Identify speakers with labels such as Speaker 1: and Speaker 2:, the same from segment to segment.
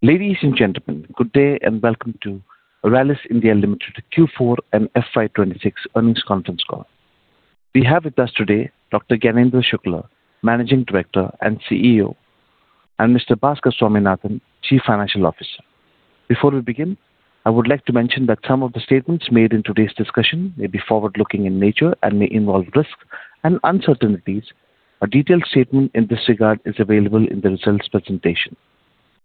Speaker 1: Ladies and gentlemen, good day and welcome to Rallis India Limited Q4 and FY 2026 earnings conference call. We have with us today Dr. Gyanendra Shukla Managing Director and CEO, and Mr. Bhaskar Swaminathan, Chief Financial Officer. Before we begin, I would like to mention that some of the statements made in today's discussion may be forward-looking in nature and may involve risks and uncertainties. A detailed statement in this regard is available in the results presentation.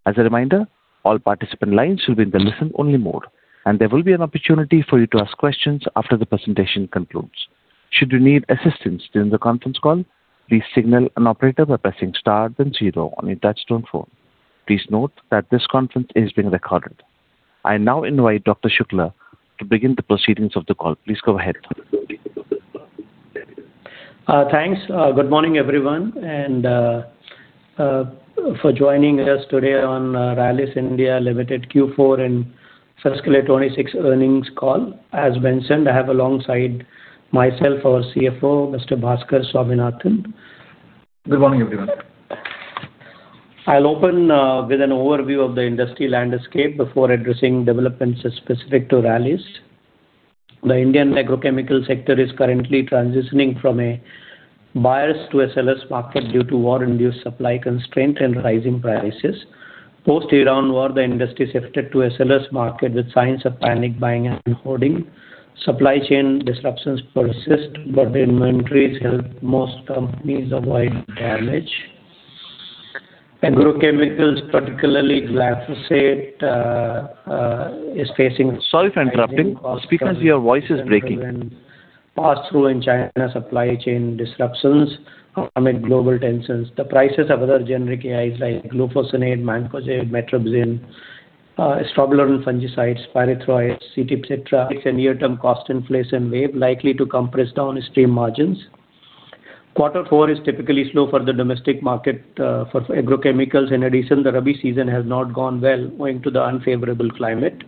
Speaker 1: As a reminder, all participant lines will be in the listen-only mode, and there will be an opportunity for you to ask questions after the presentation concludes. Should you need assistance during the conference call, please signal an operator by pressing star then zero on your touchtone phone. Please note that this conference is being recorded. I now invite Dr. Shukla to begin the proceedings of the call. Please go ahead.
Speaker 2: Thanks. Good morning, everyone, and for joining us today on Rallis India Limited Q4 and fiscal 2026 earnings call. As mentioned, I have alongside myself our CFO, Mr. Bhaskar Swaminathan.
Speaker 3: Good morning, everyone.
Speaker 2: I'll open with an overview of the industry landscape before addressing developments specific to Rallis. The Indian agrochemical sector is currently transitioning from a buyer's to a seller's market due to war-induced supply constraint and rising prices. Post-Iran war, the industry shifted to a seller's market with signs of panic buying and hoarding. Supply chain disruptions persist, but the inventories help most companies avoid damage. Agrochemicals, particularly glyphosate, is facing-
Speaker 1: Sorry for interrupting. It's because your voice is breaking.
Speaker 2: Pass-through in China supply chain disruptions amid global tensions. The prices of other generic AIs like glufosinate, mancozeb, metribuzin, strobilurin fungicides, pyrethroids, CT, etc., it's a near-term cost inflation wave likely to compress downstream margins. Quarter four is typically slow for the domestic market for agrochemicals. In addition, the Rabi season has not gone well owing to the unfavorable climate.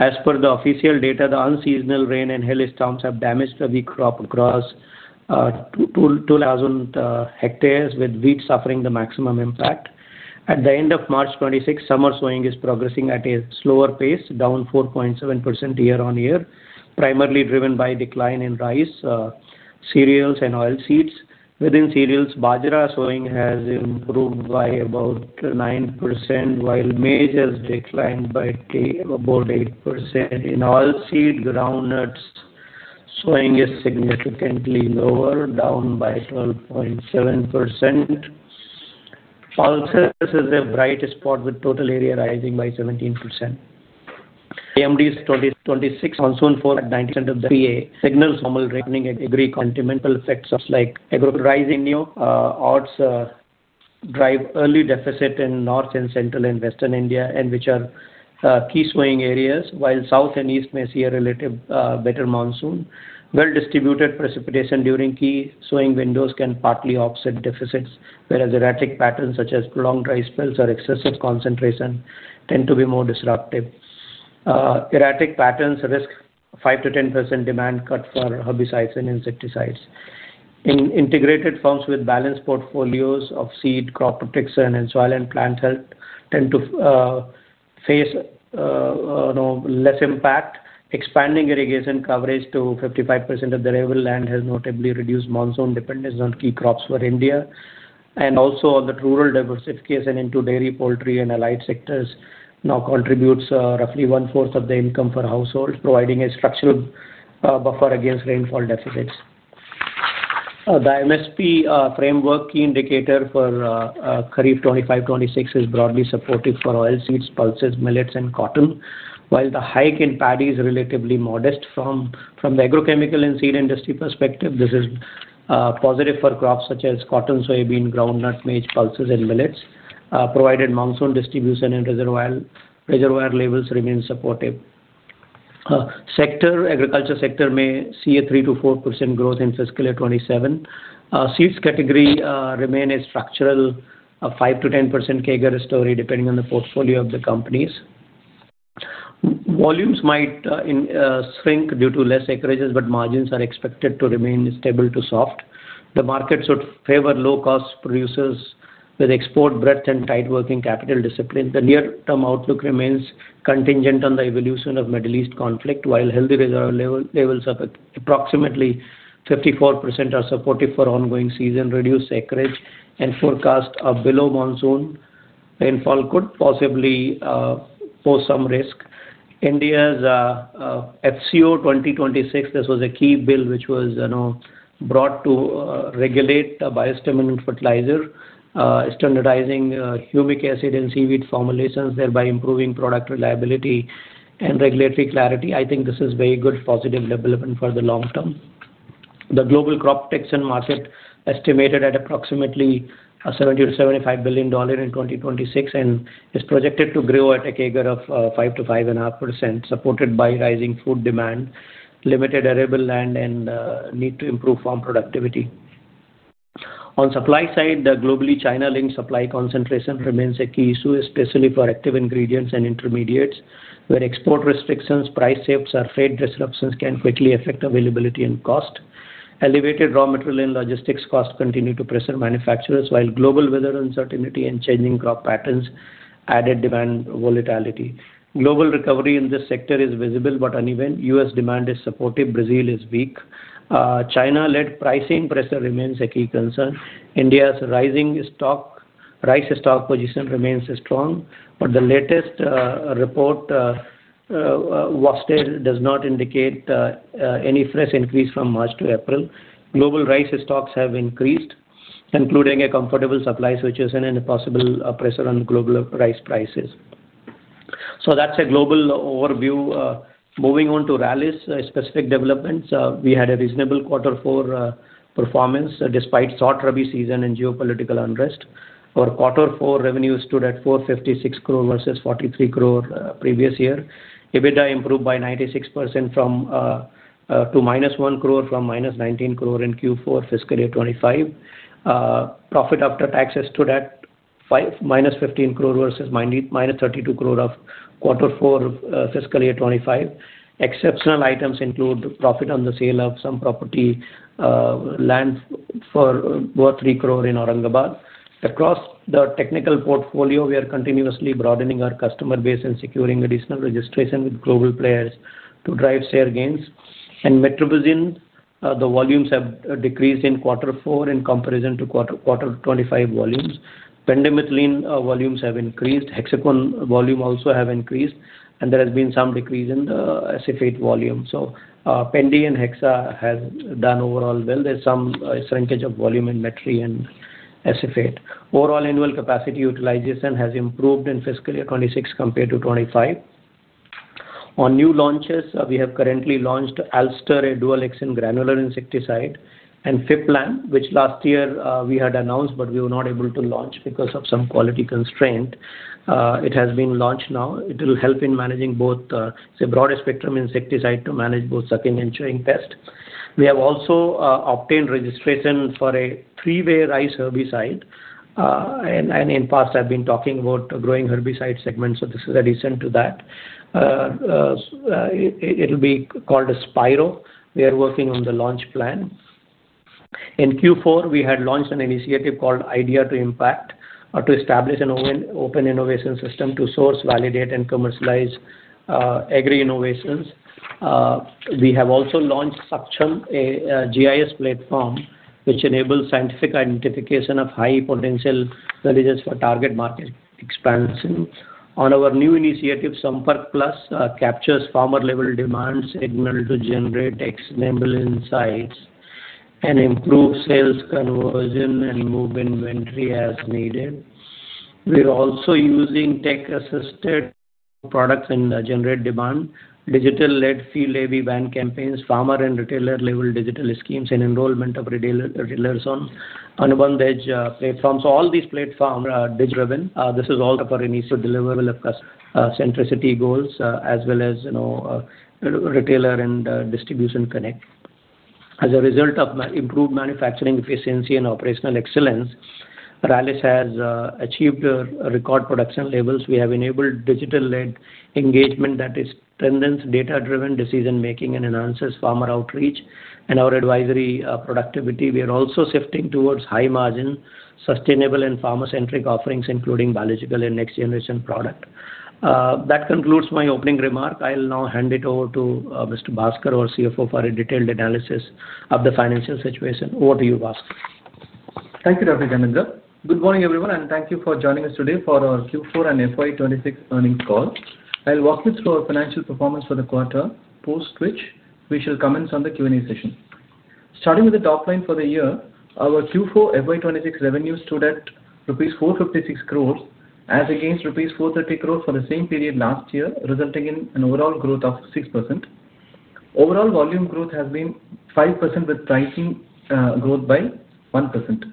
Speaker 2: As per the official data, the unseasonal rain and hailstorms have damaged the wheat crop across 2,000 hectares, with wheat suffering the maximum impact. At the end of March 2026, summer sowing is progressing at a slower pace, down 4.7% year-on-year, primarily driven by decline in rice, cereals, and oilseeds. Within cereals, Bajra sowing has improved by about 9%, while maize has declined by about 8%. In oilseed, groundnuts sowing is significantly lower, down by 12.7%. Pulses is a bright spot with total area rising by 17%. IMD's 2026 monsoon forecast at 90% of the LPA signals normal rain following continental effects such as [El Niño] odds drive early deficit in North and Central and Western India and which are key sowing areas, while South and East may see a relative better monsoon. Well-distributed precipitation during key sowing windows can partly offset deficits, whereas erratic patterns such as prolonged dry spells or excessive concentration tend to be more disruptive. Erratic patterns risk 5%-10% demand cut for herbicides and insecticides. In integrated firms with balanced portfolios of seed, crop protection, and soil and plant health tend to face you know, less impact. Expanding irrigation coverage to 55% of the arable land has notably reduced monsoon dependence on key crops for India. The rural diversification into dairy, poultry, and allied sectors now contributes roughly 1/4 of the income per household, providing a structural buffer against rainfall deficits. The MSP framework key indicator for Kharif 2025-2026 is broadly supportive for oilseeds, pulses, millets, and cotton. While the hike in paddy is relatively modest from the agrochemical and seed industry perspective, this is positive for crops such as cotton, soybean, groundnut, maize, pulses, and millets, provided monsoon distribution and reservoir levels remain supportive. Agriculture sector may see a 3%-4% growth in fiscal year 2027. Seeds category remain a structural 5%-10% CAGR story depending on the portfolio of the companies. Volumes might shrink due to less acreages, but margins are expected to remain stable to soft. The market should favor low-cost producers with export breadth and tight working capital discipline. The near-term outlook remains contingent on the evolution of Middle East conflict. While healthy reserve levels of approximately 54% are supportive for ongoing season, reduced acreage and forecast of below monsoon rainfall could possibly pose some risk. India's FCO 2026, this was a key bill which was, you know, brought to regulate the biostimulant fertilize, standardizing humic acid and seaweed formulations, thereby improving product reliability and regulatory clarity. I think this is very good positive development for the long-term. The global crop protection market estimated at approximately $70 billion-$75 billion in 2026 and is projected to grow at a CAGR of 5%-5.5%, supported by rising food demand, limited arable land, and need to improve farm productivity. On supply side, the globally China-linked supply concentration remains a key issue, especially for active ingredients and intermediates, where export restrictions, price shocks or freight disruptions can quickly affect availability and cost. Elevated raw material and logistics costs continue to pressure manufacturers, while global weather uncertainty and changing crop patterns added demand volatility. Global recovery in this sector is visible but uneven. U.S. demand is supportive, Brazil is weak. China-led pricing pressure remains a key concern. India's rice stock position remains strong, but the latest report last year does not indicate any fresh increase from March to April. Global rice stocks have increased, including a comfortable supply situation and any possible pressure on global rice prices. That's a global overview. Moving on to Rallis specific developments. We had a reasonable quarter four performance despite short Rabi season and geopolitical unrest. Our quarter four revenue stood at 456 crore versus 43 crore previous year. EBITDA improved by 96% to -1 crore from -19 crore in Q4 fiscal year 2025. Profit after tax stood at -15 crore versus -32 crore of quarter four fiscal year 2025. Exceptional items include profit on the sale of some property, land worth 3 crore in Aurangabad. Across the technical portfolio, we are continuously broadening our customer base and securing additional registration with global players to drive share gains. In metribuzin, the volumes have decreased in quarter four in comparison to quarter 25 volumes. Pendimethalin volumes have increased. Hexaconazole volumes also have increased, and there has been some decrease in the acephate volume. Pendi and hexa has done overall well. There's some shrinkage of volume in metri and acephate. Overall annual capacity utilization has improved in fiscal year 2026 compared to 2025. On new launches, we have currently launched Alster, a dual-action granular insecticide, and Fiplan, which last year we had announced, but we were not able to launch because of some quality constraint. It has been launched now. It'll help in managing both. It's a broader spectrum insecticide to manage both sucking and chewing pest. We have also obtained registration for a three-way rice herbicide. In past I've been talking about growing herbicide segment, so this is addition to that. It'll be called Spiro. We are working on the launch plan. In Q4, we had launched an initiative called Idea to Impact to establish an open innovation system to source, validate, and commercialize agri innovations. We have also launched Saksham, a GIS platform, which enables scientific identification of high-potential villages for target market expansion. Our new initiative, Sampark Plus, captures farmer-level demand signal to generate actionable insights and improve sales conversion and move inventory as needed. We're also using tech-assisted products in the generated demand, digital-led FieldAV brand campaigns, farmer and retailer-level digital schemes, and enrollment of retailers on Anuvath platform. All these platforms are digitally-driven. This is all part of our initial deliverable of customer centricity goals, as well as, you know, retailer and distribution connect. As a result of improved manufacturing efficiency and operational excellence, Rallis has achieved record production levels. We have enabled digital-led engagement that is the essence of data-driven decision-making and enhances farmer outreach and our advisory productivity. We are also shifting towards high-margin, sustainable and farmer-centric offerings, including biological and next-generation product. That concludes my opening remark. I'll now hand it over to Mr. Bhaskar, our CFO, for a detailed analysis of the financial situation. Over to you, Bhaskar.
Speaker 3: Thank you, Gyanendra. Good morning, everyone, and thank you for joining us today for our Q4 and FY 2026 earnings call. I'll walk you through our financial performance for the quarter, post which we shall commence on the Q&A session. Starting with the top line for the year, our Q4 FY 2026 revenue stood at rupees 456 crores as against rupees 430 crores for the same period last year, resulting in an overall growth of 6%. Overall volume growth has been 5% with pricing growth by 1%.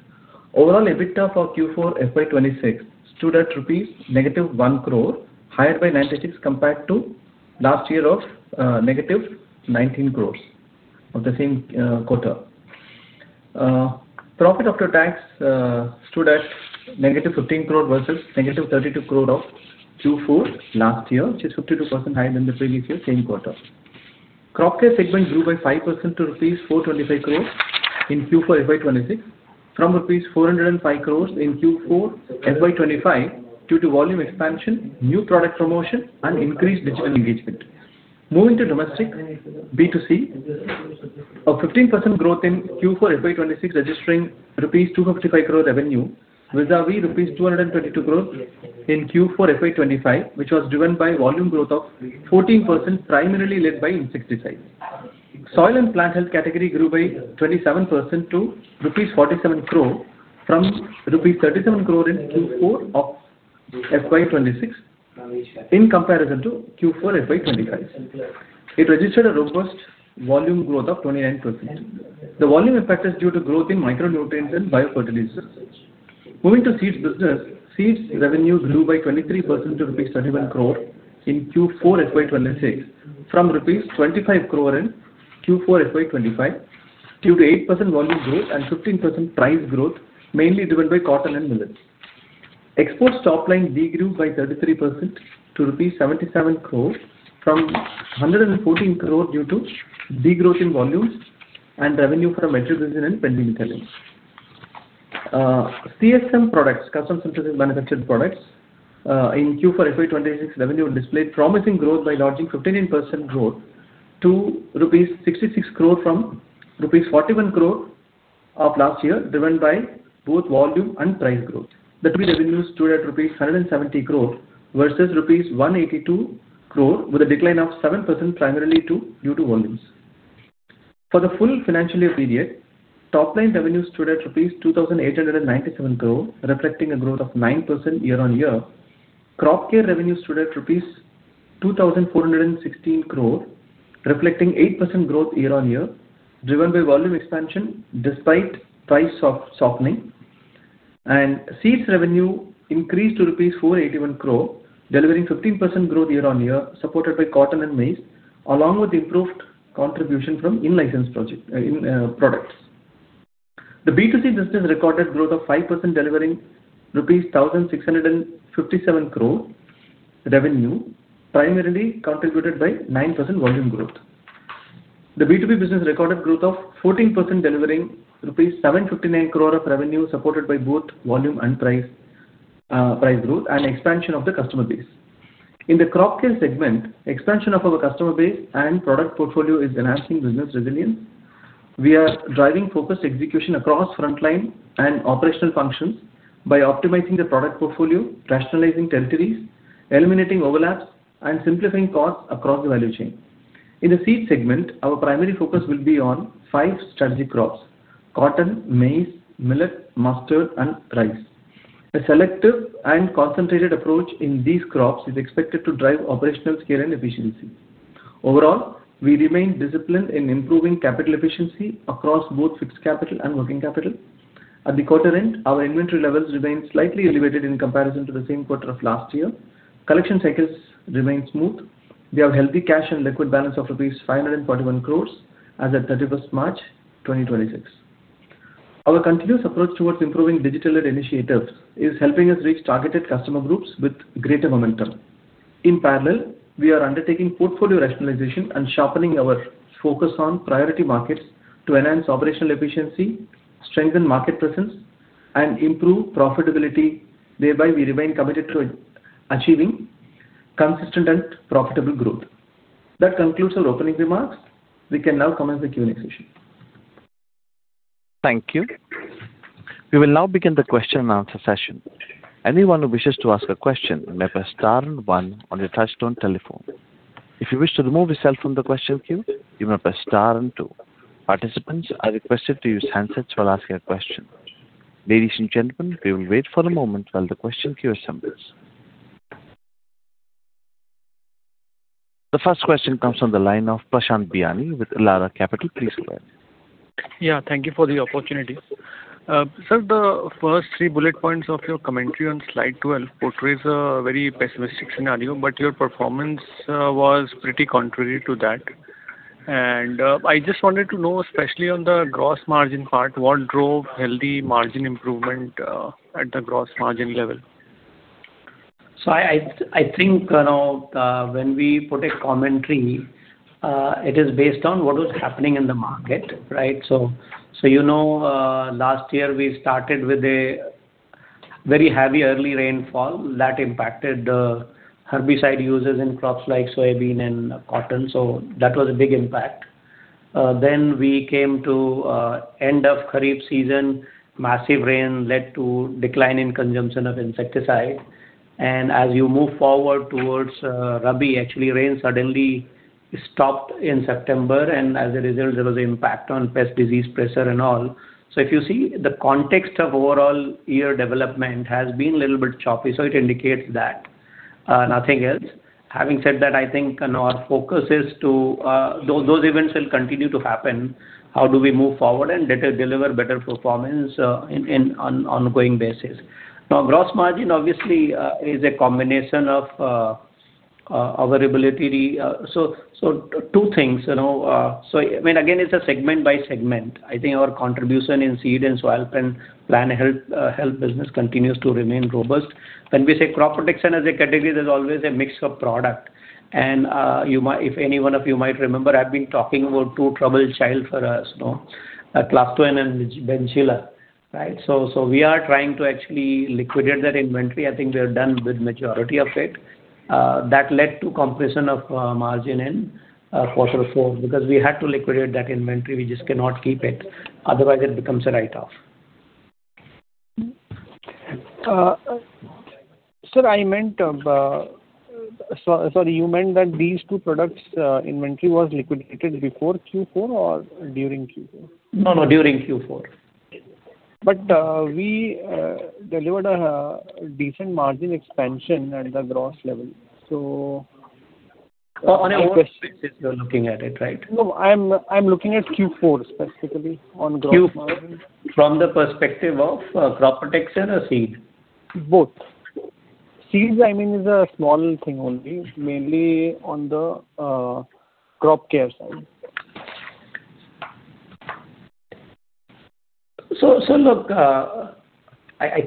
Speaker 3: Overall EBITDA for Q4 FY 2026 stood at -1 crore rupees, higher by 96 compared to last year of -19 crores of the same quarter. Profit after tax stood at -15 crore versus -32 crore of Q4 last year, which is 52% higher than the previous year, same quarter. Crop Care segment grew by 5% to rupees 425 crore in Q4 FY 2026 from rupees 405 crore in Q4 FY 2025 due to volume expansion, new product promotion, and increased digital engagement. Moving to domestic B2C, a 15% growth in Q4 FY 2026, registering rupees 255 crore revenue vis-à-vis rupees 222 crore in Q4 FY 2025, which was driven by volume growth of 14%, primarily led by insecticides. Soil and plant health category grew by 27% to rupees 47 crore from rupees 37 crore in Q4 of FY 2026 in comparison to Q4 FY 2025. It registered a robust volume growth of 29%. The volume effect is due to growth in micronutrients and biofertilizers. Moving to seeds business, seeds revenue grew by 23% to rupees 31 crore in Q4 FY 2026 from rupees 25 crore in Q4 FY 2025, due to 8% volume growth and 15% price growth, mainly driven by cotton and millet. Exports top line degrew by 33% to rupees 77 crore from 114 crore due to degrowth in volumes and revenue from agricultural and pending intelligence. CSM products, Custom Synthesis Manufactured products, in Q4 FY 2026 revenue displayed promising growth by showing 15% growth to rupees 66 crore from rupees 41 crore of last year, driven by both volume and price growth. The revenues stood at rupees 170 crore versus rupees 182 crore, with a decline of 7% primarily due to volumes. For the full financial year period, top line revenues stood at rupees 2,897 crore, reflecting a growth of 9% year-on-year. Crop Care revenues stood at rupees 2,416 crore, reflecting 8% growth year-on-year, driven by volume expansion despite price softening. Seeds revenue increased to rupees 481 crore, delivering 15% growth year-on-year, supported by cotton and maize, along with improved contribution from in-license products. The B2C business recorded growth of 5% delivering rupees 1,657 crore revenue, primarily contributed by 9% volume growth. The B2B business recorded growth of 14% delivering rupees 759 crore of revenue, supported by both volume and price growth and expansion of the customer base. In the Crop Care segment, expansion of our customer base and product portfolio is enhancing business resilience. We are driving focused execution across frontline and operational functions by optimizing the product portfolio, rationalizing territories, eliminating overlaps, and simplifying costs across the value chain. In the Seed segment, our primary focus will be on five strategic crops: cotton, maize, millet, mustard, and rice. A selective and concentrated approach in these crops is expected to drive operational scale and efficiency. Overall, we remain disciplined in improving capital efficiency across both fixed capital and working capital. At quarter end, our inventory levels remain slightly elevated in comparison to the same quarter of last year. Collection cycles remain smooth. We have healthy cash and liquid balance of INR 541 crores as at 31 March 2026. Our continuous approach towards improving digital initiatives is helping us reach targeted customer groups with greater momentum. In parallel, we are undertaking portfolio rationalization and sharpening our focus on priority markets to enhance operational efficiency, strengthen market presence, and improve profitability. Thereby, we remain committed to achieving consistent and profitable growth. That concludes our opening remarks. We can now commence the Q&A session.
Speaker 1: Thank you. We will now begin the question and answer session. Anyone who wishes to ask a question may press star and one on your touchtone telephone. If you wish to remove yourself from the question queue, you may press star and two. Participants are requested to use handsets while asking a question. Ladies and gentlemen, we will wait for a moment while the question queue assembles. The first question comes on the line of Prashant Biyani with Elara Capital. Please go ahead.
Speaker 4: Yeah, thank you for the opportunity. Sir, the first three bullet points of your commentary on slide 12 portrays a very pessimistic scenario, but your performance was pretty contrary to that. I just wanted to know, especially on the gross margin part, what drove healthy margin improvement at the gross margin level?
Speaker 2: I think, you know, when we put a commentary, it is based on what was happening in the market, right? You know, last year we started with a very heavy early rainfall that impacted herbicide users in crops like soybean and cotton. That was a big impact. Then we came to end of Kharif season, massive rain led to decline in consumption of insecticide. As you move forward towards Rabi, actually rain suddenly stopped in September, and as a result, there was impact on pest disease pressure and all. If you see the context of overall year development has been a little bit choppy, it indicates that nothing else. Having said that, I think, you know, our focus is to those events will continue to happen. How do we move forward and thereby deliver better performance in an ongoing basis? Now, gross margin obviously is a combination of our ability. So two things, you know. So I mean, again, it's a segment by segment. I think our contribution in seed and soil and plant health business continues to remain robust. When we say crop protection as a category, there's always a mix of products. If any one of you might remember, I've been talking about two troubled children for us, you know, Plasto and Benzilla, right? So we are trying to actually liquidate that inventory. I think we are done with majority of it. That led to compression of margin in quarter four because we had to liquidate that inventory. We just cannot keep it. Otherwise it becomes a write-off.
Speaker 4: Sir, I meant, sorry, you meant that these two products, inventory was liquidated before Q4 or during Q4?
Speaker 2: No, no, during Q4.
Speaker 4: But we delivered a decent margin expansion at the gross level.
Speaker 2: On a whole perspective you're looking at it, right?
Speaker 4: No, I'm looking at Q4 specifically on gross margin.
Speaker 2: From the perspective of, crop protection or seed?
Speaker 4: Both. Seeds, I mean, is a small thing only, mainly on the Crop Care side.
Speaker 2: I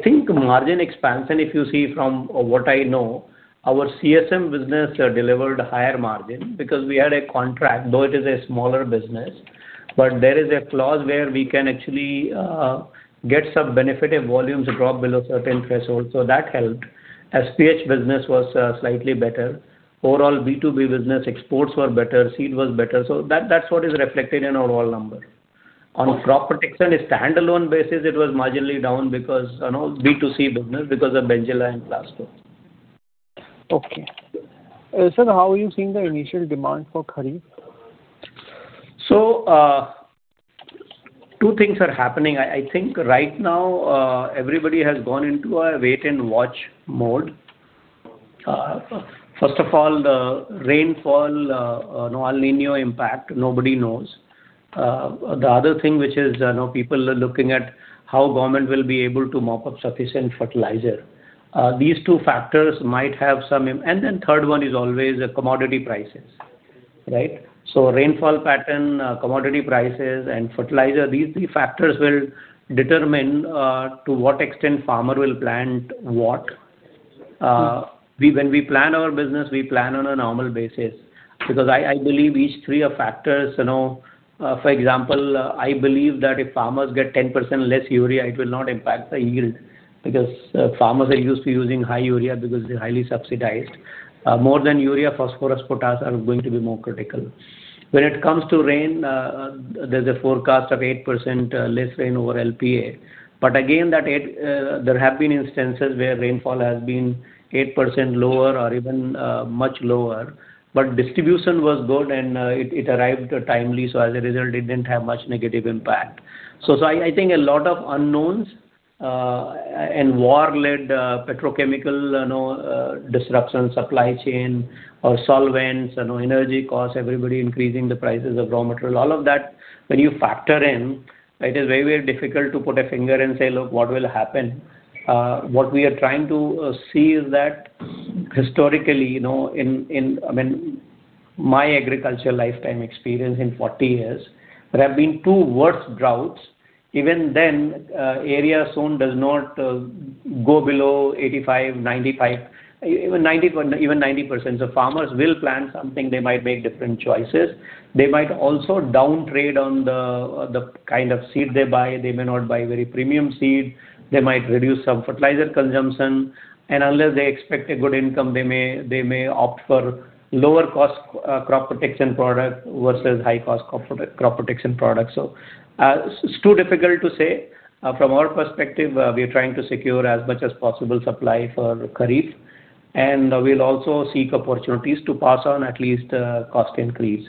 Speaker 2: think margin expansion, if you see from what I know, our CSM business delivered higher margin because we had a contract, though it is a smaller business. There is a clause where we can actually get some benefit if volumes drop below a certain threshold, so that helped. SPH business was slightly better. Overall B2B business exports were better, seed was better. That is what is reflected in our overall number. On crop protection, on a standalone basis, it was marginally down because, you know, B2C business because of Benzilla and Clasto.
Speaker 4: Okay. Sir, how are you seeing the initial demand for Kharif?
Speaker 2: Two things are happening. I think right now, everybody has gone into a wait and watch mode. First of all, the rainfall, you know, El Niño impact, nobody knows. The other thing which is, you know, people are looking at how government will be able to mop up sufficient fertilizer. These two factors might have some. Third one is always the commodity prices, right? Rainfall pattern, commodity prices, and fertilizer, these three factors will determine, to what extent farmer will plant what. When we plan our business, we plan on a normal basis. Because I believe each three are factors, you know. For example, I believe that if farmers get 10% less urea, it will not impact the yield, because farmers are used to using high urea because they're highly subsidized. More than urea, phosphorus, potash are going to be more critical. When it comes to rain, there's a forecast of 8% less rain over LPA. But again, that 8%, there have been instances where rainfall has been 8% lower or even much lower. But distribution was good and it arrived timely, so as a result it didn't have much negative impact. I think a lot of unknowns and war-led petrochemical, you know, disruption, supply chain or solvents. You know, energy costs, everybody increasing the prices of raw material. All of that, when you factor in, it is very, very difficult to put a finger and say, "Look what will happen." What we are trying to see is that historically, you know, I mean, my agriculture lifetime experience in 40 years, there have been two worse droughts. Even then, area sown does not go below 85%, 95%, even 90%. Farmers will plant something. They might make different choices. They might also downtrade on the kind of seed they buy. They may not buy very premium seed. They might reduce some fertilizer consumption. Unless they expect a good income, they may opt for lower cost crop protection product versus high cost crop protection product. It's too difficult to say. From our perspective, we are trying to secure as much as possible supply for Kharif, and we'll also seek opportunities to pass on at least cost increase.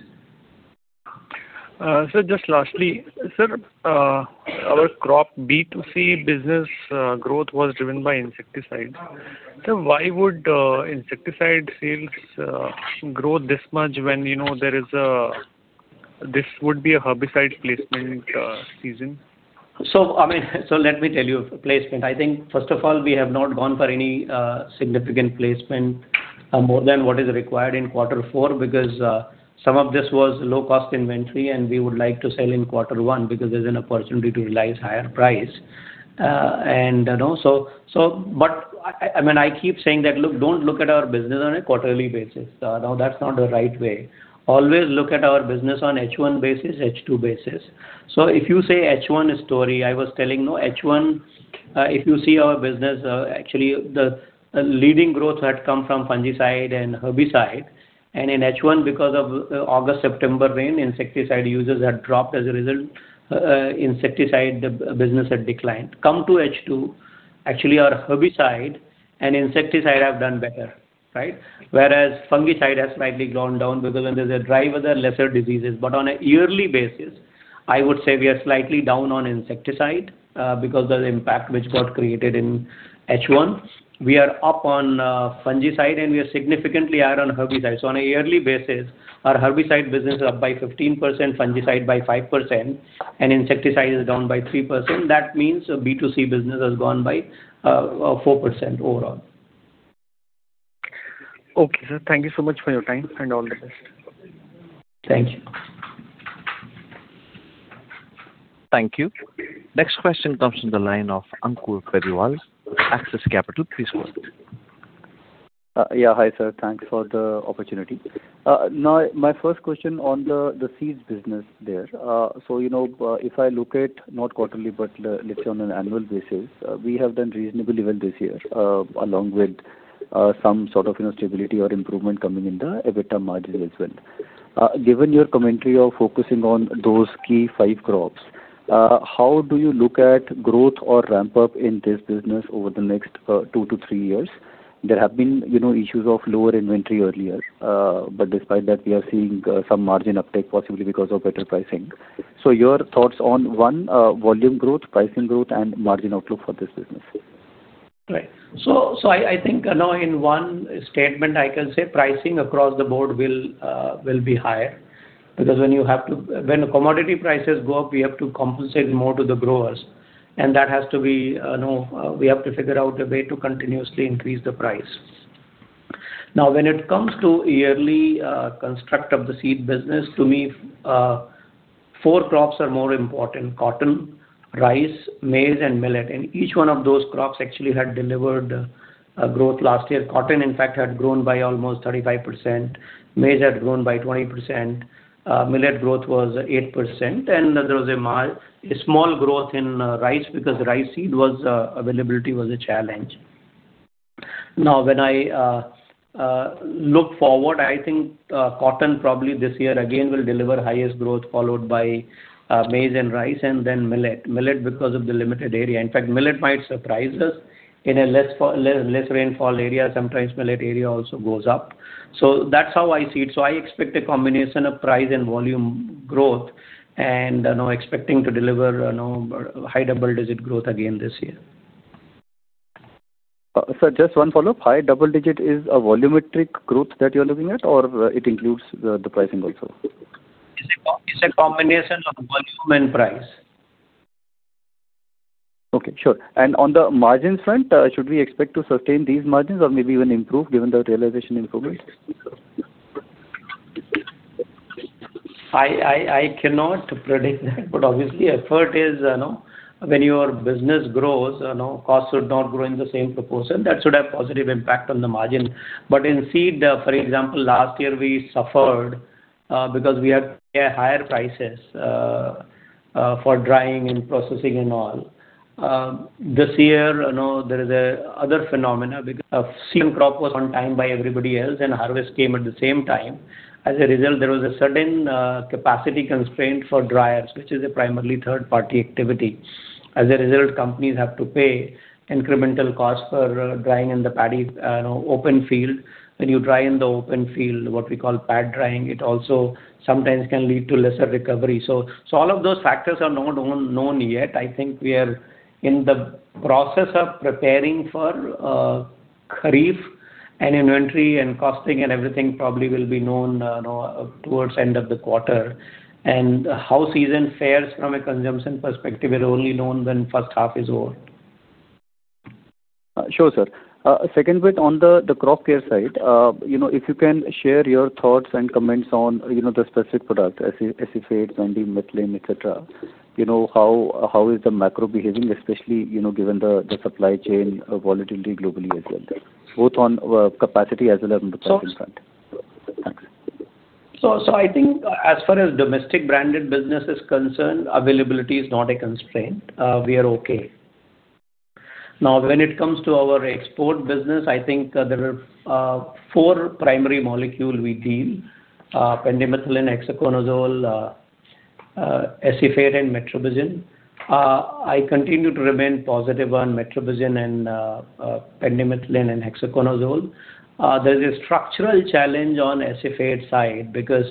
Speaker 4: Sir, just lastly. Sir, our crop B2C business growth was driven by insecticides. Sir, why would insecticide sales grow this much when you know this would be a herbicide placement season?
Speaker 2: I mean, let me tell you placement. I think first of all, we have not gone for any significant placement more than what is required in quarter four because some of this was low cost inventory and we would like to sell in quarter one because there's an opportunity to realize higher price. You know, I mean, I keep saying that, look, don't look at our business on a quarterly basis. No, that's not the right way. Always look at our business on H1 basis, H2 basis. If you say H1 story, I was telling, you know, H1, if you see our business, actually the leading growth had come from fungicide and herbicide. In H1 because of August, September rains, insecticide usage had dropped. As a result, insecticide business had declined. Come to H2, actually our herbicide and insecticide have done better, right? Whereas fungicide has slightly gone down because there's a dry weather, lesser diseases. On a yearly basis, I would say we are slightly down on insecticide because of the impact which got created in H1. We are up on fungicide, and we are significantly higher on herbicide. On a yearly basis, our herbicide business is up by 15%, fungicide by 5%, and insecticide is down by 3%. That means our B2C business has gone by 4% overall.
Speaker 4: Okay, sir. Thank you so much for your time and all the best.
Speaker 2: Thank you.
Speaker 1: Thank you. Next question comes from the line of Ankur Periwal, Axis Capital. Please proceed.
Speaker 5: Yeah. Hi, sir. Thanks for the opportunity. Now my first question on the seeds business there. So, you know, if I look at not quarterly, but let's say on an annual basis, we have done reasonably well this year, along with some sort of, you know, stability or improvement coming in the EBITDA margin as well. Given your commentary of focusing on those key five crops, how do you look at growth or ramp up in this business over the next two to three years? There have been, you know, issues of lower inventory earlier. But despite that we are seeing some margin uptake possibly because of better pricing. Your thoughts on, one, volume growth, pricing growth, and margin outlook for this business?
Speaker 2: Right. I think, you know, in one statement I can say pricing across the board will be higher. Because when commodity prices go up, we have to compensate more to the growers, and that has to be, you know, we have to figure out a way to continuously increase the price. Now, when it comes to yearly construct of the seed business, to me, four crops are more important: cotton, rice, maize, and millet. Each one of those crops actually had delivered a growth last year. Cotton, in fact, had grown by almost 35%. Maize had grown by 20%. Millet growth was 8%. There was a small growth in rice because rice seed availability was a challenge. Now, when I look forward, I think cotton probably this year again will deliver highest growth, followed by maize and rice and then millet. Millet because of the limited area. In fact, millet might surprise us. In a less rainfall area, sometimes millet area also goes up. That's how I see it. I expect a combination of price and volume growth, and I'm expecting to deliver, you know, high-double-digit growth again this year.
Speaker 5: Sir, just one follow-up. High-double-digit is a volumetric growth that you're looking at, or it includes the pricing also?
Speaker 2: It's a combination of volume and price.
Speaker 5: Okay. Sure. On the margin front, should we expect to sustain these margins or maybe even improve given the realization improvement?
Speaker 2: I cannot predict that, but obviously effort is, you know, when your business grows, you know, costs should not grow in the same proportion. That should have positive impact on the margin. In seed, for example, last year we suffered because we had to pay higher prices for drying and processing and all. This year, you know, there is a other phenomena because of seeding crop was on time by everybody else, and harvest came at the same time. As a result, there was a certain capacity constraint for dryers, which is a primarily third-party activity. As a result, companies have to pay incremental cost for drying in the paddy open field. When you dry in the open field, what we call pad drying, it also sometimes can lead to lesser recovery. All of those factors are not known yet. I think we are in the process of preparing for Kharif and inventory and costing and everything probably will be known towards end of the quarter. How season fares from a consumption perspective is only known when first half is over.
Speaker 5: Sure, sir. Second bit on the Crop Care side. You know, if you can share your thoughts and comments on, you know, the specific product, acephate, pendimethalin, et cetera. You know, how is the macro behaving, especially, you know, given the supply chain volatility globally as well, both on capacity as well as on the pricing front?
Speaker 2: So-
Speaker 5: Thanks.
Speaker 2: I think as far as domestic branded business is concerned, availability is not a constraint. We are okay. Now, when it comes to our export business, I think there are four primary molecules we deal: pendimethalin, hexaconazole, acephate and metribuzin. I continue to remain positive on metribuzin and pendimethalin and hexaconazole. There's a structural challenge on acephate side because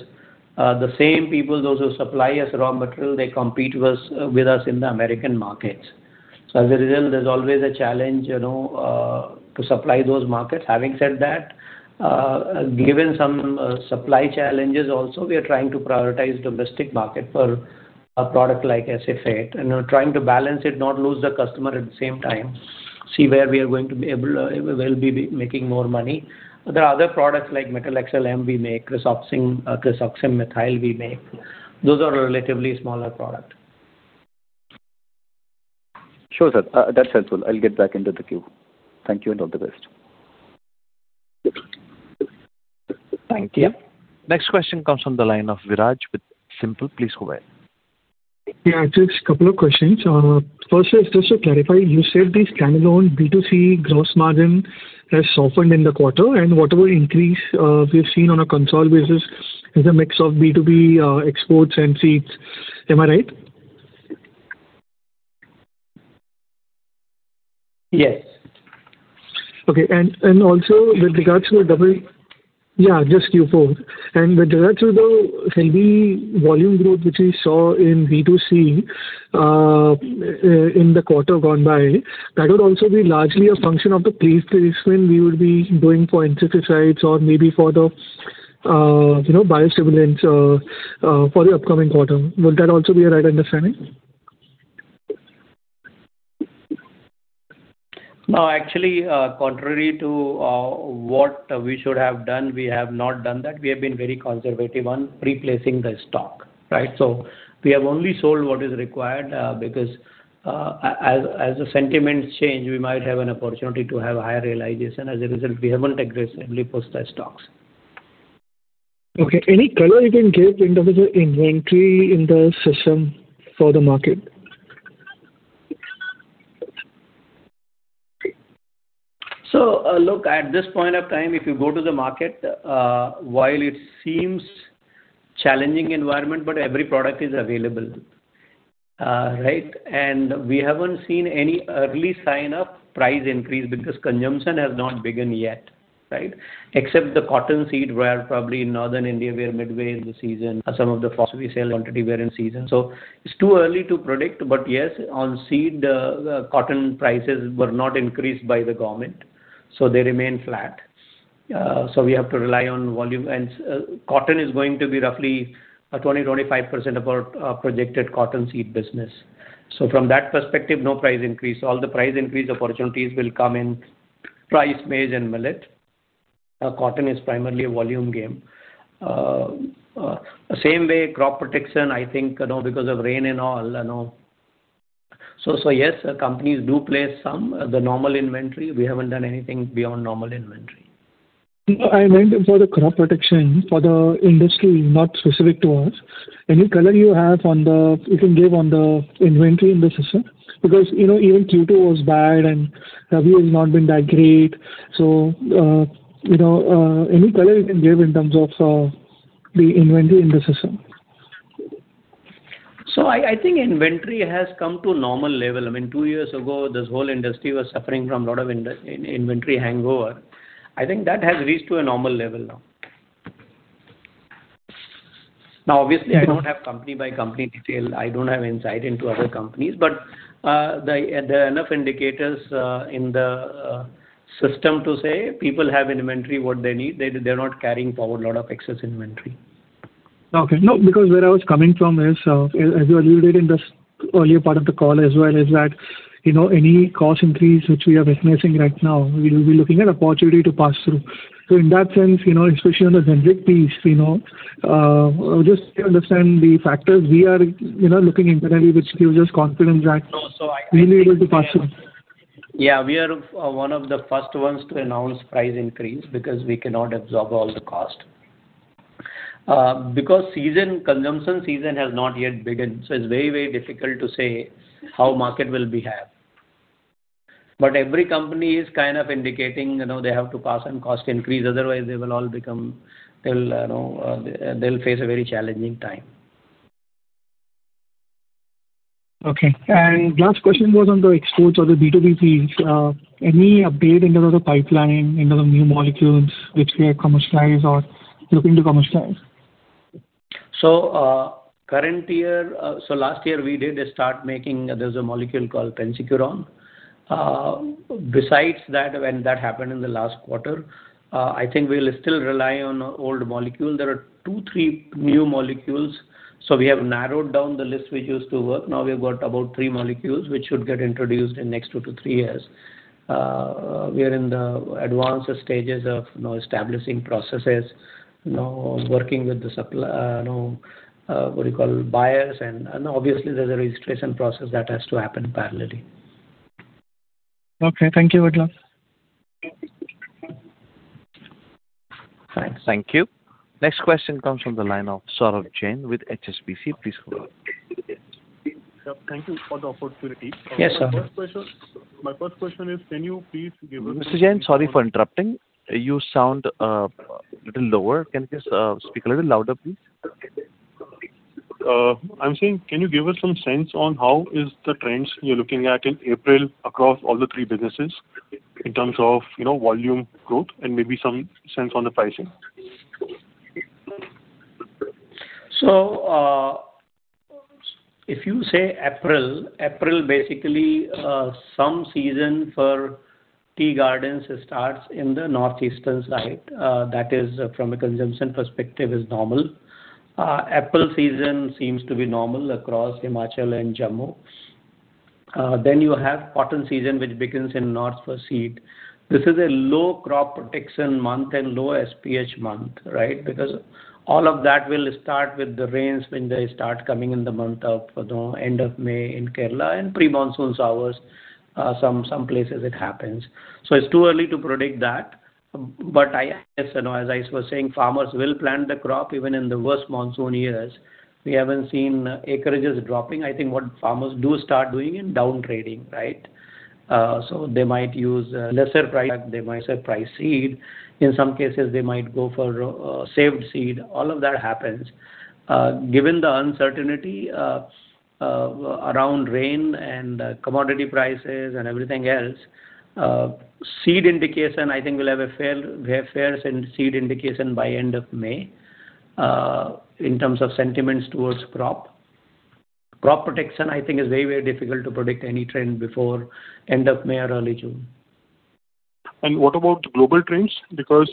Speaker 2: the same people, those who supply us raw material, they compete with us in the American markets. As a result, there's always a challenge, you know, to supply those markets. Having said that, given some supply challenges also we are trying to prioritize domestic market for a product like acephate and, you know, trying to balance it, not lose the customer at the same time. See where we are going to be able, we will be making more money. There are other products like metolachlor we make, kresoxim-methyl we make. Those are relatively smaller product.
Speaker 5: Sure, sir. That's helpful. I'll get back into the queue. Thank you and all the best.
Speaker 2: Thank you.
Speaker 1: Next question comes from the line of Viraj with SiMPL. Please go ahead.
Speaker 6: Yeah. Just couple of questions. First is just to clarify, you said the standalone B2C gross margin has softened in the quarter, and whatever increase we've seen on a consolidated basis is a mix of B2B, exports and seeds. Am I right?
Speaker 2: Yes.
Speaker 6: Okay. Yeah, just Q4. With regards to the healthy volume growth which we saw in B2C in the quarter gone by, that would also be largely a function of the placement we would be doing for insecticides or maybe for the, you know, biostimulants for the upcoming quarter. Would that also be a right understanding?
Speaker 2: No. Actually, contrary to what we should have done, we have not done that. We have been very conservative on replacing the stock, right? We have only sold what is required, because as the sentiments change, we might have an opportunity to have higher realization. As a result, we haven't aggressively pushed the stocks.
Speaker 6: Okay. Any color you can give in terms of inventory in the system for the market?
Speaker 2: Look, at this point of time, if you go to the market, while it seems challenging environment, but every product is available. Right? We haven't seen any early sign of price increase because consumption has not begun yet, right? Except the cotton seed, where probably in Northern India, we are midway in the season. From that perspective, no price increase. All the price increase opportunities will come in rice, maize and millet. Cotton is primarily a volume game. Same way crop protection, I think, you know, because of rain and all, you know. Yes, companies do place some. The normal inventory, we haven't done anything beyond normal inventory.
Speaker 6: No, I meant for the crop protection for the industry, not specific to us. Any color you have on the inventory in the system you can give. Because, you know, even Q2 was bad and Q3 has not been that great. You know, any color you can give in terms of the inventory in the system.
Speaker 2: I think inventory has come to a normal level. I mean, two years ago, this whole industry was suffering from a lot of inventory hangover. I think that has reached to a normal level now. Now, obviously, I don't have company by company detail. I don't have insight into other companies. There are enough indicators in the system to say people have inventory what they need. They're not carrying forward a lot of excess inventory.
Speaker 6: Okay. No, because where I was coming from is, as you alluded in this earlier part of the call as well, is that, you know, any cost increase which we are witnessing right now, we'll be looking at opportunity to pass through. In that sense, you know, especially on the generic piece, you know, just to understand the factors we are, you know, looking internally, which gives us confidence that-
Speaker 2: No.
Speaker 6: We'll be able to pass through.
Speaker 2: Yeah, we are one of the first ones to announce price increase because we cannot absorb all the cost. Because consumption season has not yet begun, so it's very, very difficult to say how market will behave. Every company is kind of indicating, you know, they have to pass on cost increase, otherwise they'll, you know, they'll face a very challenging time.
Speaker 6: Okay. Last question was on the exports or the B2B piece. Any update in terms of pipeline, in terms of new molecules which we have commercialized or looking to commercialize?
Speaker 2: Current year, last year we did start making. There's a molecule called pencycuron. Besides that, when that happened in the last quarter, I think we'll still rely on old molecule. There are two, three new molecules. We have narrowed down the list we used to work. Now we've got about three molecules, which should get introduced in next two to three years. We are in the advanced stages of, you know, establishing processes. You know, working with the, you know, what do you call it, buyers and obviously there's a registration process that has to happen parallelly.
Speaker 6: Okay. Thank you very much.
Speaker 2: Thanks.
Speaker 1: Thank you. Next question comes from the line of Saurabh Jain with HSBC. Please go ahead.
Speaker 7: Thank you for the opportunity.
Speaker 1: Yes, sir.
Speaker 7: My first question is, can you please give us?
Speaker 1: Mr. Jain, sorry for interrupting. You sound a little lower. Can you please speak a little louder, please?
Speaker 7: I'm saying can you give us some sense on how is the trends you're looking at in April across all the three businesses in terms of, you know, volume growth and maybe some sense on the pricing?
Speaker 2: If you say April, basically, some season for tea gardens starts in the northeastern side. That is from a consumption perspective is normal. April season seems to be normal across Himachal and Jammu. Then you have cotton season which begins in north for seed. This is a low crop protection month and low SPH month, right? Because all of that will start with the rains when they start coming in the month of, you know, end of May in Kerala and pre-monsoon showers, some places it happens. It's too early to predict that. As you know, as I was saying, farmers will plant the crop even in the worst monsoon years. We haven't seen acreages dropping. I think what farmers do start doing is down trading, right? They might use lesser price. They might set priced seed. In some cases they might go for saved seed. All of that happens. Given the uncertainty around rain and commodity prices and everything else, seed indication, I think we have a fair sense of seed indication by end of May, in terms of sentiments towards crop. Crop protection, I think is very, very difficult to predict any trend before end of May or early June.
Speaker 7: What about global trends? Because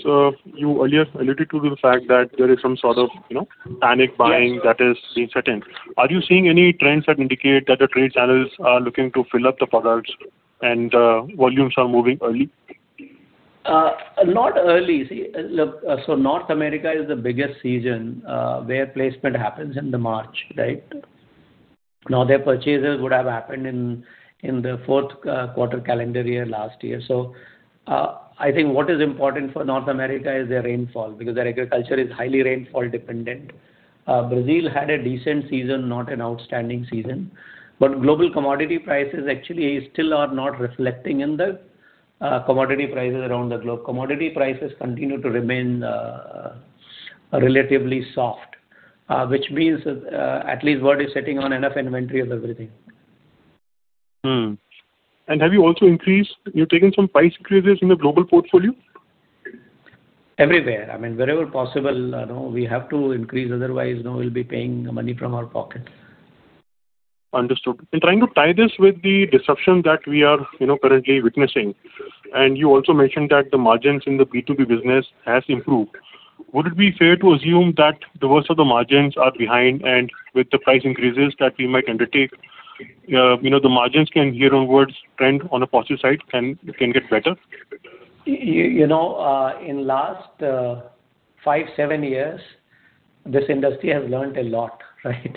Speaker 7: you earlier alluded to the fact that there is some sort of, you know, panic buying.
Speaker 2: Yes.
Speaker 7: That is being set in. Are you seeing any trends that indicate that the trade channels are looking to fill up the paddies and volumes are moving early?
Speaker 2: Not early. See, look, North America is the biggest season where placement happens in March, right? Now, their purchases would have happened in the fourth quarter calendar year last year. I think what is important for North America is their rainfall, because their agriculture is highly rainfall dependent. Brazil had a decent season, not an outstanding season. But global commodity prices actually still are not reflecting in the commodity prices around the globe. Commodity prices continue to remain relatively soft. Which means at least world is sitting on enough inventory of everything.
Speaker 7: Have you also increased? You're taking some price increases in the global portfolio?
Speaker 2: Everywhere. I mean, wherever possible, you know, we have to increase, otherwise, you know, we'll be paying money from our pocket.
Speaker 7: Understood. In trying to tie this with the disruption that we are, you know, currently witnessing. You also mentioned that the margins in the B2B business has improved. Would it be fair to assume that the worst of the margins are behind and with the price increases that we might undertake, you know, the margins can here onwards trend on a positive side and it can get better?
Speaker 2: You know, in last five, seven years, this industry has learned a lot, right?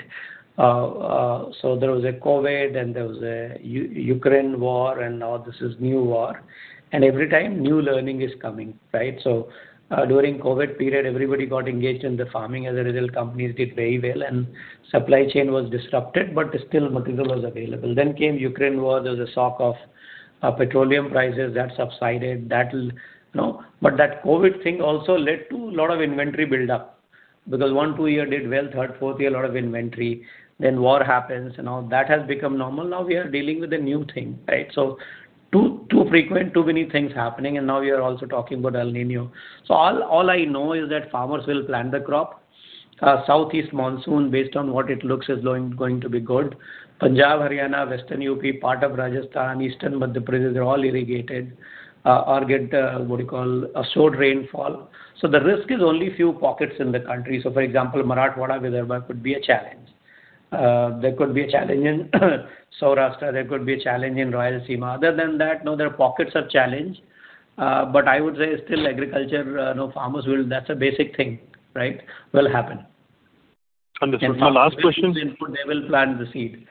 Speaker 2: There was a COVID and there was a Ukraine war, and now this is new war, and every time new learning is coming, right? During COVID period, everybody got engaged in the farming as a result. Companies did very well, and supply chain was disrupted, but still material was available. Ukraine war came. There was a shock of petroleum prices that subsided. But that COVID thing also led to a lot of inventory buildup because one, two-year did well, third, fourth year a lot of inventory. War happens. Now, that has become normal. Now we are dealing with a new thing, right? Too frequent, too many things happening, and now we are also talking about El Niño. All I know is that farmers will plant the crop. Southwest monsoon, based on what it looks, is going to be good. Punjab, Haryana, western UP, part of Rajasthan, eastern Madhya Pradesh, they're all irrigated, or get, what do you call, a short rainfall. The risk is only few pockets in the country. For example, Marathwada, Vidarbha could be a challenge. There could be a challenge in Saurashtra. There could be a challenge in Rayalaseema. Other than that, there are pockets of challenge, but I would say still agriculture, farmers will. That's a basic thing, right? Will happen.
Speaker 7: Understood. My last question.
Speaker 2: Farmers, if they input, they will plant the seed.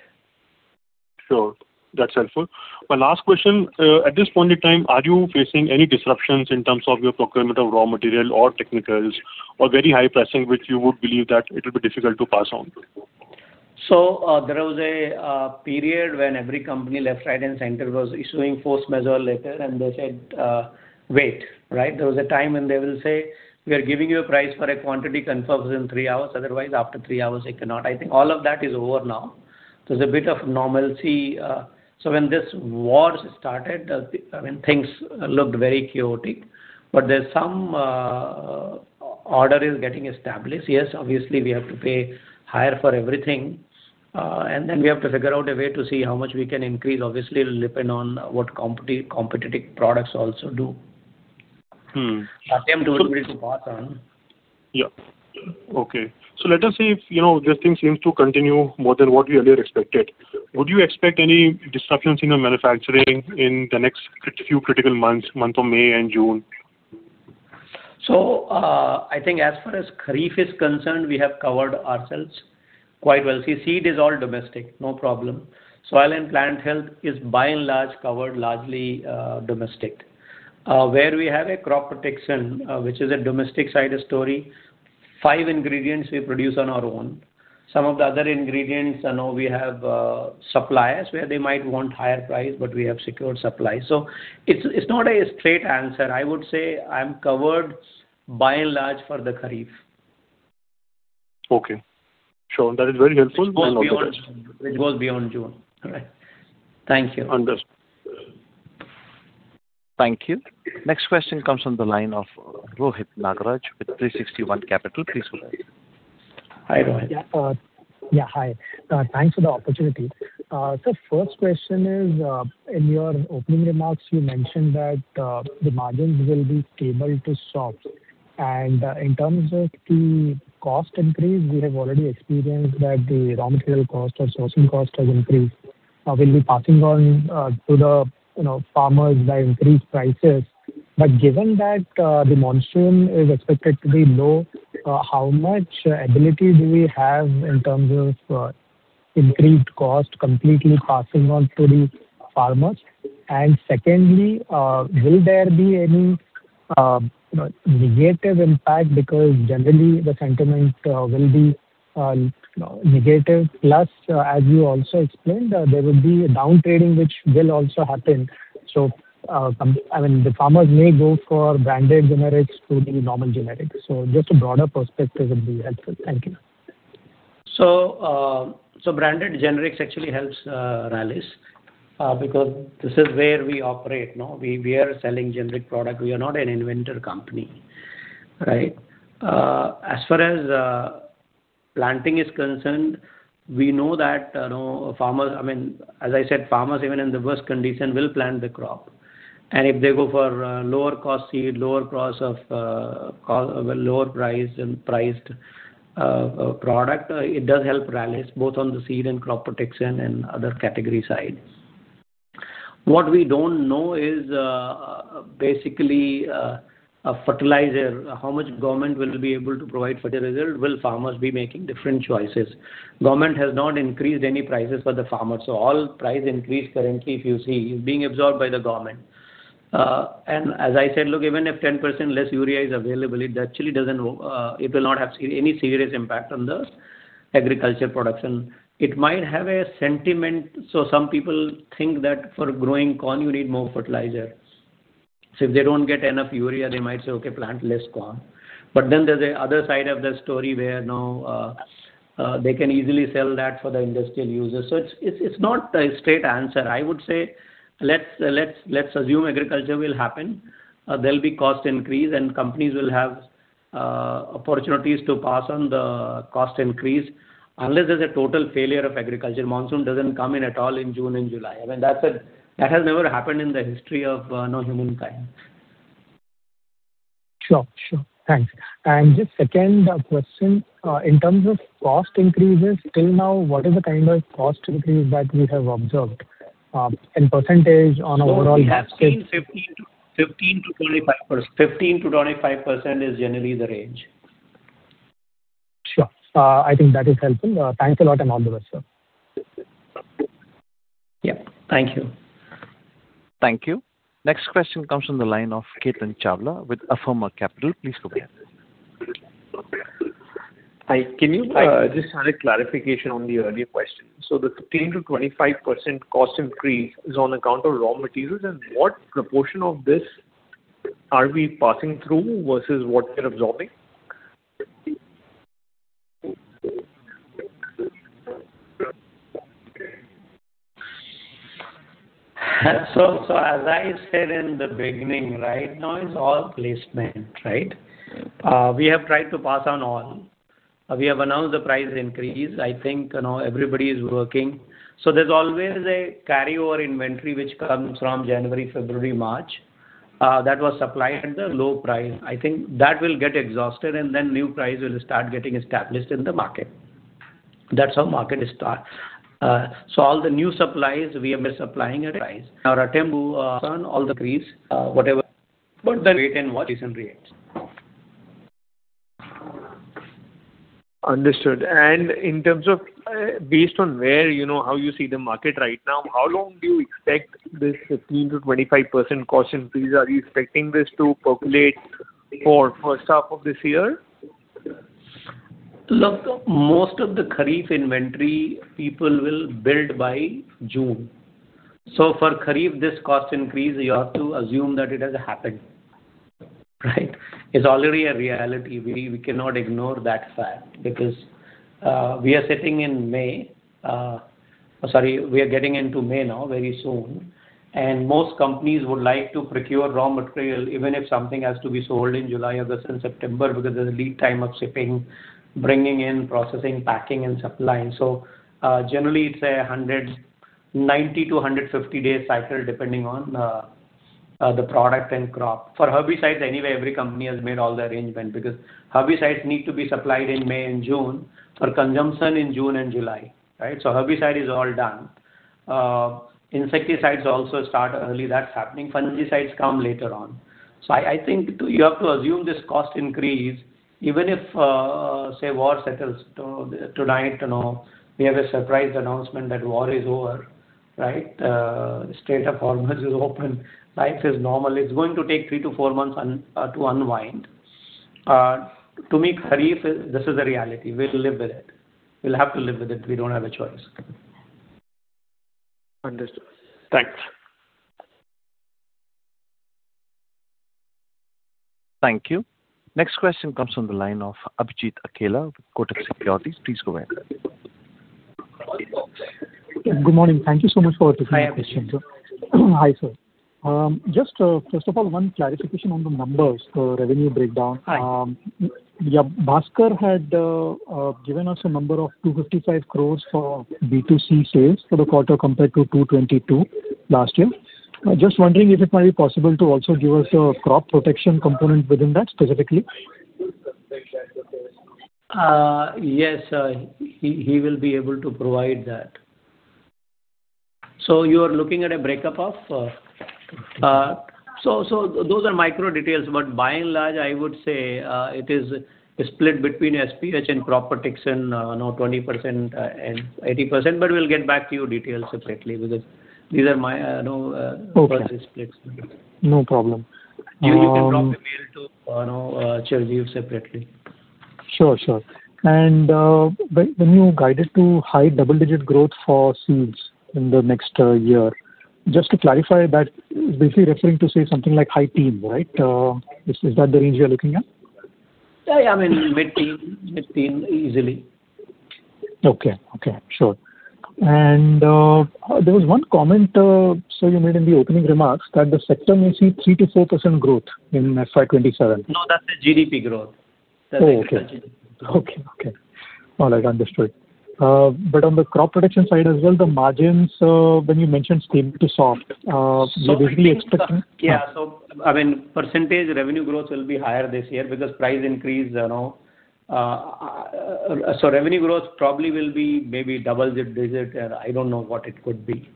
Speaker 7: Sure. That's helpful. My last question. At this point in time, are you facing any disruptions in terms of your procurement of raw material or technicals or very high pricing which you would believe that it will be difficult to pass on to?
Speaker 2: There was a period when every company left, right, and center was issuing force majeure letter and they said, "Wait." Right? There was a time when they will say, "We are giving you a price for a quantity confirmation in three hours. Otherwise, after three hours, I cannot." I think all of that is over now. There's a bit of normalcy. When this war started, I mean, things looked very chaotic. There's some order is getting established. Yes, obviously we have to pay higher for everything, and then we have to figure out a way to see how much we can increase. Obviously, it'll depend on what competitive products also do.
Speaker 7: Hmm. So-
Speaker 2: Attempt to increase the pattern.
Speaker 7: Yeah. Okay. Let us see if, you know, this thing seems to continue more than what we earlier expected. Would you expect any disruptions in your manufacturing in the next few critical months, month of May and June?
Speaker 2: I think as far as Kharif is concerned, we have covered ourselves quite well. See, seed is all domestic, no problem. Soil and plant health is by and large covered largely domestic. Where we have a crop protection, which is a domestic side story, five ingredients we produce on our own. Some of the other ingredients and all, we have suppliers where they might want higher price, but we have secured supply. It's not a straight answer. I would say I'm covered by and large for the Kharif.
Speaker 7: Okay. Sure. That is very helpful. I'll-
Speaker 2: It goes beyond June. All right. Thank you.
Speaker 7: Understood.
Speaker 1: Thank you. Next question comes on the line of Rohit Nagraj with 360 ONE Capital. Please go ahead.
Speaker 2: Hi, Rohit.
Speaker 8: Hi. Thanks for the opportunity. First question is, in your opening remarks you mentioned that, the margins will be stable to soft. In terms of the cost increase, we have already experienced that the raw material cost or sourcing cost has increased. We'll be passing on to the, you know, farmers by increased prices. Given that, the monsoon is expected to be low, how much ability do we have in terms of, increased cost completely passing on to the farmers? Secondly, will there be any, you know, negative impact? Because generally the sentiment will be, you know, negative. Plus, as you also explained, there will be a downtrading which will also happen. I mean, the farmers may go for branded generics to the normal generic. Just a broader perspective would be helpful. Thank you.
Speaker 2: Branded generics actually helps Rallis because this is where we operate, no? We are selling generic product. We are not an inventor company, right? As far as planting is concerned, we know that, you know, farmers, I mean, as I said, farmers even in the worst condition will plant the crop. If they go for lower cost seed, lower cost of a lower priced product, it does help Rallis both on the seed and crop protection and other category sides. What we don't know is basically a fertilizer, how much government will be able to provide. For the result, will farmers be making different choices? Government has not increased any prices for the farmers. All price increase currently, if you see, is being absorbed by the government. As I said, look, even if 10% less urea is available, it actually doesn't, it will not have any serious impact on the agriculture production. It might have a sentiment. Some people think that for growing corn you need more fertilizer. If they don't get enough urea, they might say, "Okay, plant less corn." There's another side of the story where now they can easily sell that for the industrial users. It's not a straight answer. I would say let's assume agriculture will happen. There'll be cost increase and companies will have opportunities to pass on the cost increase, unless there's a total failure of agriculture. Monsoon doesn't come in at all in June and July. I mean, that's. That has never happened in the history of, you know, humankind.
Speaker 8: Sure. Thanks. Just second question in terms of cost increases, till now, what is the kind of cost increase that we have observed in percentage on overall.
Speaker 2: We have seen 15%-25%. 15%-25% is generally the range.
Speaker 8: Sure. I think that is helpful. Thanks a lot and all the best, sir.
Speaker 2: Yeah. Thank you.
Speaker 1: Thank you. Next question comes from the line of Ketan Chawla with Affirma Capital. Please go ahead.
Speaker 9: Hi. Can you just add a clarification on the earlier question? The 15%-25% cost increase is on account of raw materials, and what proportion of this are we passing through versus what we're absorbing?
Speaker 2: As I said in the beginning, right now it's all placement, right? We have tried to pass on all. We have announced the price increase. I think, you know, everybody is working. There's always a carryover inventory which comes from January, February, March that was supplied at a low price. I think that will get exhausted and then new price will start getting established in the market. That's how market is start. All the new supplies we have been supplying at a price. Our attempt to pass on all the increase, whatever, but then wait and watch recent reacts.
Speaker 9: Understood. In terms of, based on where you know how you see the market right now, how long do you expect this 15%-25% cost increase? Are you expecting this to populate for first half of this year?
Speaker 2: Look, most of the Kharif inventory people will build by June. For Kharif, this cost increase, you have to assume that it has happened, right? It's already a reality. We cannot ignore that fact because we are getting into May now, very soon, and most companies would like to procure raw material even if something has to be sold in July or say September because there's a lead time of shipping, bringing in, processing, packing, and supplying. Generally it's 90-150 day cycle depending on the product and crop. For herbicides, anyway, every company has made all the arrangements because herbicides need to be supplied in May and June for consumption in June and July, right? Herbicide is all done. Insecticides also start early. That's happening. Fungicides come later on. I think you have to assume this cost increase, even if say war settles tonight. You know, we have a surprise announcement that war is over, right? Strait of Hormuz is open. Life is normal. It's going to take three to four months to unwind. To me, Kharif is this the reality. We'll live with it. We'll have to live with it. We don't have a choice.
Speaker 9: Understood. Thanks.
Speaker 1: Thank you. Next question comes from the line of Abhijit Akella with Kotak Securities. Please go ahead.
Speaker 10: Good morning. Thank you so much for taking my question, sir.
Speaker 2: Hi, Abhijit.
Speaker 10: Hi, sir. Just first of all, one clarification on the numbers, revenue breakdown.
Speaker 2: Hi.
Speaker 10: Yeah, Bhaskar had given us a number of 255 crores for B2C sales for the quarter compared to 222 crores last year. Just wondering if it might be possible to also give us a crop protection component within that specifically.
Speaker 2: Yes, he will be able to provide that. Those are micro details, but by and large, I would say it is split between SPH and crop protection, you know, 20% and 80%. We'll get back to you details separately because these are my, you know.
Speaker 10: Okay.
Speaker 2: first splits.
Speaker 10: No problem.
Speaker 2: You can drop a mail to, you know, Chirjeev separately.
Speaker 10: Sure, sure. When you guided to high double-digit growth for seeds in the next year, just to clarify that, basically referring to, say, something like high teen, right? Is that the range you're looking at?
Speaker 2: Yeah, I mean, mid-teen, mid-teen easily.
Speaker 10: Okay. Sure. There was one comment, sir, you made in the opening remarks that the sector may see 3%-4% growth in FY 2027.
Speaker 2: No, that's the GDP growth.
Speaker 10: Oh, okay.
Speaker 2: That's the GDP.
Speaker 10: Okay. All right. Understood. On the crop protection side as well, the margins, when you mentioned stable to soft.
Speaker 2: So-
Speaker 10: -are you visually expecting-
Speaker 2: Yeah. I mean, percentage revenue growth will be higher this year because price increase, you know. Revenue growth probably will be maybe double-digit. I don't know what it could be.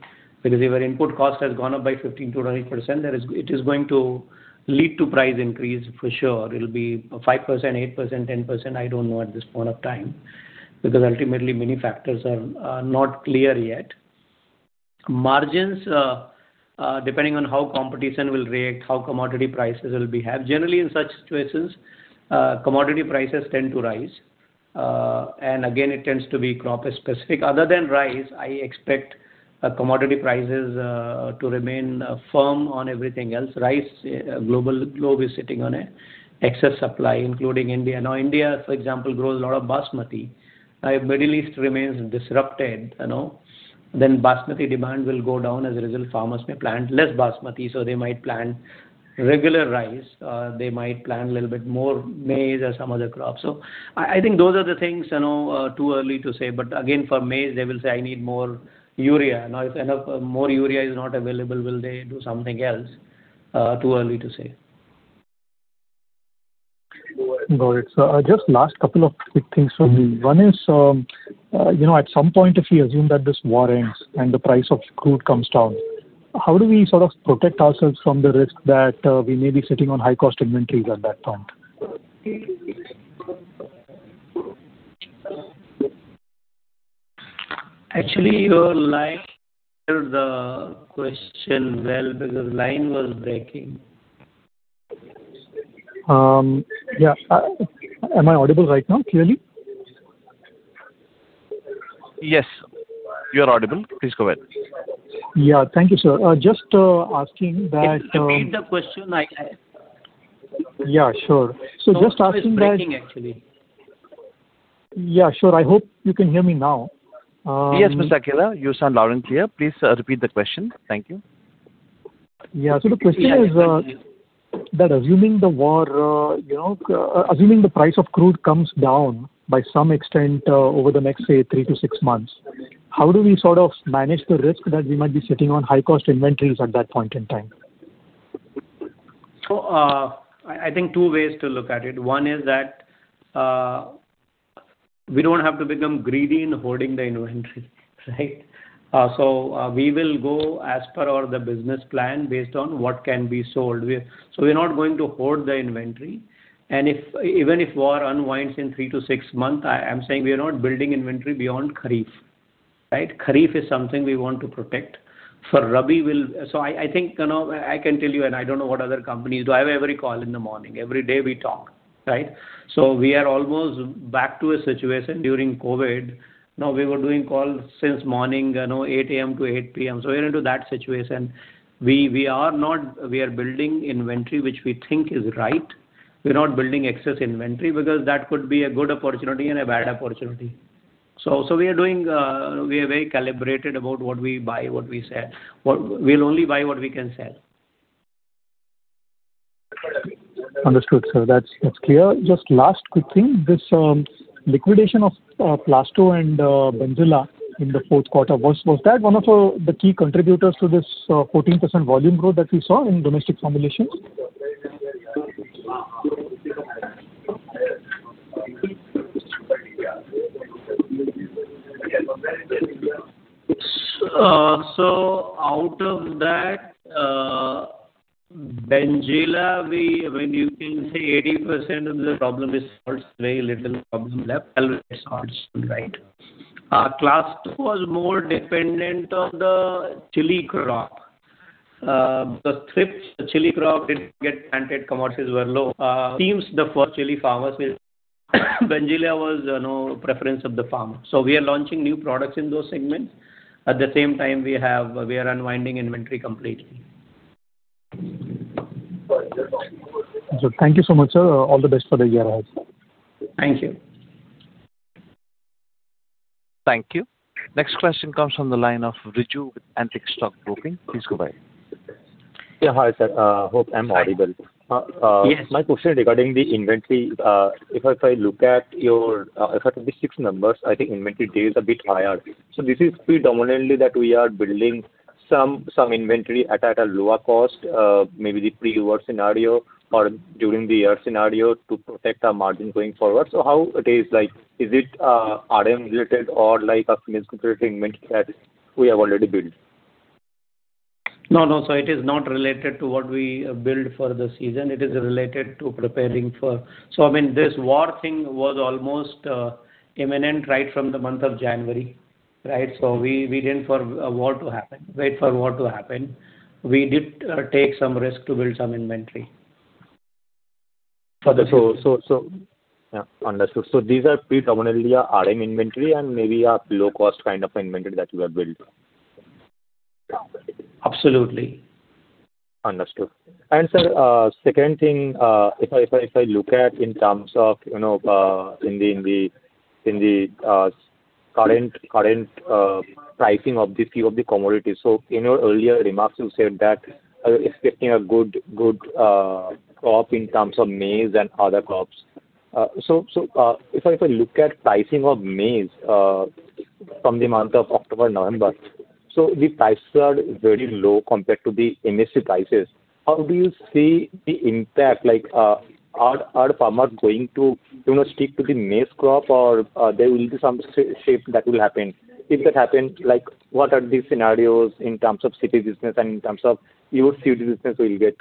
Speaker 2: Because if your input cost has gone up by 15%-20%, it is going to lead to price increase for sure. It'll be 5%, 8%, 10%. I don't know at this point of time, because ultimately many factors are not clear yet. Margins, depending on how competition will react, how commodity prices will behave. Generally in such situations, commodity prices tend to rise. Again, it tends to be crop specific. Other than rice, I expect commodity prices to remain firm on everything else. Rice, the globe is sitting on an excess supply, including India. India, for example, grows a lot of Basmati. If Middle East remains disrupted, you know, then Basmati demand will go down. As a result, farmers may plant less Basmati. They might plant regular rice, they might plant a little bit more maize or some other crops. I think those are the things, you know, too early to say. Again, for maize, they will say, "I need more urea." Now if enough more urea is not available, will they do something else? Too early to say.
Speaker 10: Got it. Just last couple of quick things from me.
Speaker 2: Mm-hmm.
Speaker 10: One is, you know, at some point, if we assume that this war ends and the price of crude comes down, how do we sort of protect ourselves from the risk that we may be sitting on high cost inventories at that point?
Speaker 2: Actually, your line. The question, well, because line was breaking.
Speaker 10: Am I audible right now clearly?
Speaker 1: Yes, you are audible. Please go ahead.
Speaker 10: Yeah. Thank you, sir. Just asking that.
Speaker 2: Can you repeat the question?
Speaker 10: Yeah, sure. Just asking that.
Speaker 2: No, it is breaking actually.
Speaker 10: Yeah, sure. I hope you can hear me now.
Speaker 1: Yes, Mr. Akella. You sound loud and clear. Please, repeat the question. Thank you.
Speaker 10: The question is, assuming the price of crude comes down by some extent, over the next, say, three to six months, how do we sort of manage the risk that we might be sitting on high cost inventories at that point in time?
Speaker 2: I think two ways to look at it. One is that we don't have to become greedy in hoarding the inventory, right? We will go as per our business plan based on what can be sold. We're not going to hoard the inventory. If even if war unwinds in three to six months, I'm saying we are not building inventory beyond Kharif, right? Kharif is something we want to protect. For Rabi we'll. I think, you know, I can tell you, and I don't know what other companies do. I have calls every morning. Every day we talk, right? We are almost back to a situation during COVID. Now we were doing calls from morning, you know, 8 A.M. to 8 P.M. We're into that situation. We are not. We are building inventory which we think is right. We're not building excess inventory because that could be a good opportunity and a bad opportunity. We are very calibrated about what we buy, what we sell. We'll only buy what we can sell.
Speaker 10: Understood, sir. That's clear. Just last quick thing. This liquidation of Plasto and Benzilla in the fourth quarter, was that one of the key contributors to this 14% volume growth that we saw in domestic formulations?
Speaker 2: Out of that, Benzilla, I mean, you can say 80% of the problem is solved, very little problem left. Almost solved, right? Plasto was more dependent on the chili crop. The strips, the chili crop didn't get planted, commodities were low. Seems the first choice for chili farmers was Benzilla, you know, preference of the farmer. We are launching new products in those segments. At the same time, we are unwinding inventory completely.
Speaker 10: Thank you so much, sir. All the best for the year ahead, sir.
Speaker 2: Thank you.
Speaker 1: Thank you. Next question comes from the line of Riju with Antique Stock Broking. Please go ahead.
Speaker 11: Yeah, hi sir. Hope I'm audible.
Speaker 2: Yes.
Speaker 11: My question regarding the inventory. If I look at your six numbers, I think inventory days are a bit higher. This is predominantly that we are building some inventory at a lower cost, maybe the pre-war scenario or during the year scenario to protect our margin going forward. How it is like, is it RM related or like a strategic inventory that we have already built?
Speaker 2: No, no, sir. It is not related to what we built for the season. It is related to preparing for, I mean, this war thing was almost imminent right from the month of January, right? We didn't wait for war to happen. We did take some risk to build some inventory.
Speaker 11: Yeah, understood. These are predominantly a RM inventory and maybe a low cost kind of inventory that you have built.
Speaker 2: Absolutely.
Speaker 11: Understood. Sir, second thing, if I look at in terms of, you know, in the current pricing of the few of the commodities. In your earlier remarks, you said that expecting a good crop in terms of maize and other crops. If I look at pricing of maize from the month of October, November, the prices are very low compared to the MSP prices. How do you see the impact? Like, are farmers going to, you know, stick to the maize crop or there will be some shift that will happen? If that happens, like what are the scenarios in terms of CT business and in terms of your CT business will get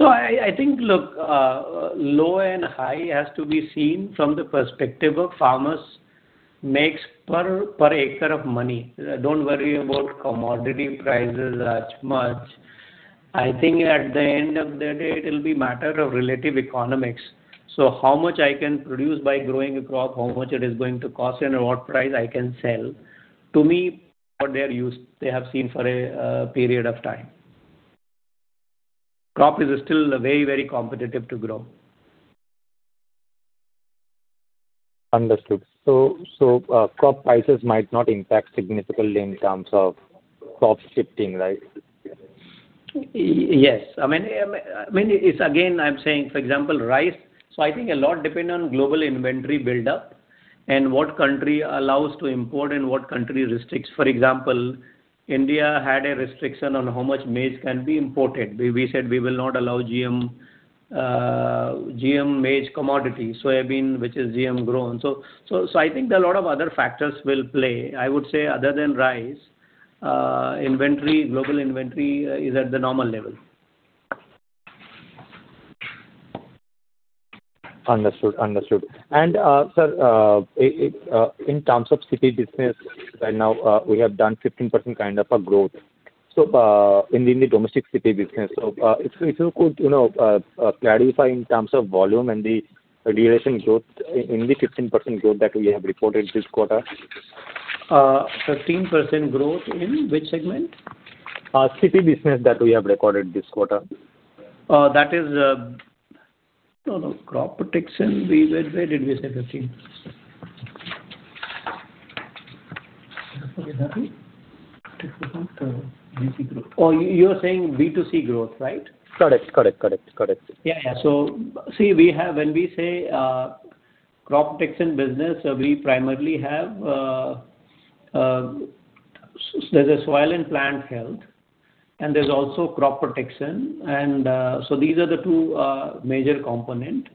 Speaker 11: impacted?
Speaker 2: I think, look, low and high has to be seen from the perspective of farmers makes per acre of money. Don't worry about commodity prices that much. I think at the end of the day, it'll be matter of relative economics. How much I can produce by growing a crop, how much it is going to cost and what price I can sell. To me, for their use, they have seen for a period of time. Crop is still very competitive to grow.
Speaker 11: Understood. Crop prices might not impact significantly in terms of crop shifting, right?
Speaker 2: Yes. I mean, it's again, I'm saying, for example, rice. I think a lot depend on global inventory buildup and what country allows to import and what country restricts. For example, India had a restriction on how much maize can be imported. We said we will not allow GM maize commodity, soybean, which is GM grown. I think there are a lot of other factors will play. I would say other than rice, inventory, global inventory is at the normal level.
Speaker 11: Understood. Sir, in terms of CP business right now, we have done 15% kind of a growth in the domestic CP business. If you could, you know, clarify in terms of volume and the realization growth in the 15% growth that we have reported this quarter.
Speaker 2: 13% growth in which segment?
Speaker 11: CP business that we have recorded this quarter.
Speaker 2: No, no, crop protection. Where did we say 13%? Oh, you're saying B2C growth, right?
Speaker 11: Correct.
Speaker 2: Yeah. See, we have. When we say crop protection business, we primarily have, there's a soil and plant health, and there's also crop protection, and so these are the two major component.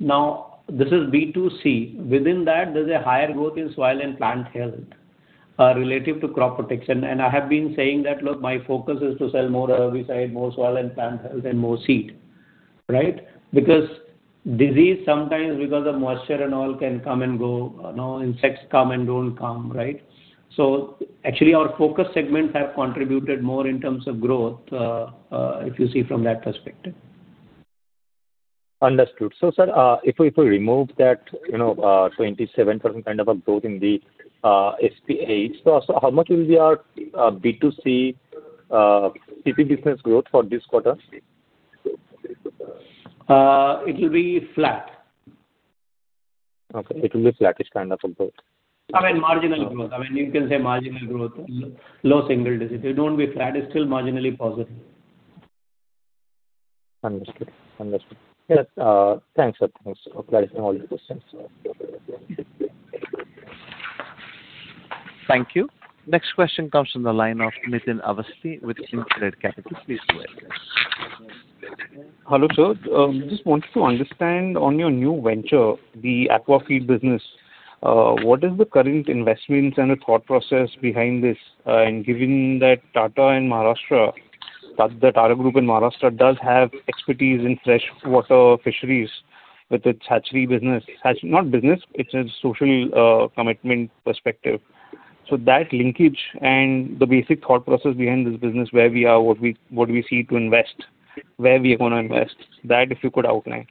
Speaker 2: Now, this is B2C. Within that, there's a higher growth in soil and plant health relative to crop protection. I have been saying that, look, my focus is to sell more herbicide, more soil and plant health and more seed, right? Because disease sometimes because of moisture and all can come and go. You know, insects come and don't come, right? Actually, our focus segment have contributed more in terms of growth, if you see from that perspective.
Speaker 11: Understood. Sir, if we remove that, you know, 27% kind of a growth in the SPA, how much will be our B2C CP business growth for this quarter?
Speaker 2: It will be flat.
Speaker 11: Okay. It will be flattish kind of a growth.
Speaker 2: I mean, marginal growth. I mean, you can say marginal growth. Low single-digit. It won't be flat. It's still marginally positive.
Speaker 11: Understood. Yeah. Thanks, sir. Thanks for clarifying all the questions.
Speaker 1: Thank you. Next question comes from the line of Nitin Awasthi with InCred Capital. Please go ahead, sir.
Speaker 12: Hello, sir. Just wanted to understand on your new venture, the aqua feed business, what is the current investments and the thought process behind this? Given that Tata in Maharashtra, that the Tata Group in Maharashtra does have expertise in freshwater fisheries with its hatchery business. Not business. It's a social commitment perspective. So that linkage and the basic thought process behind this business, where we are, what we seek to invest, where we're gonna invest. That, if you could outline.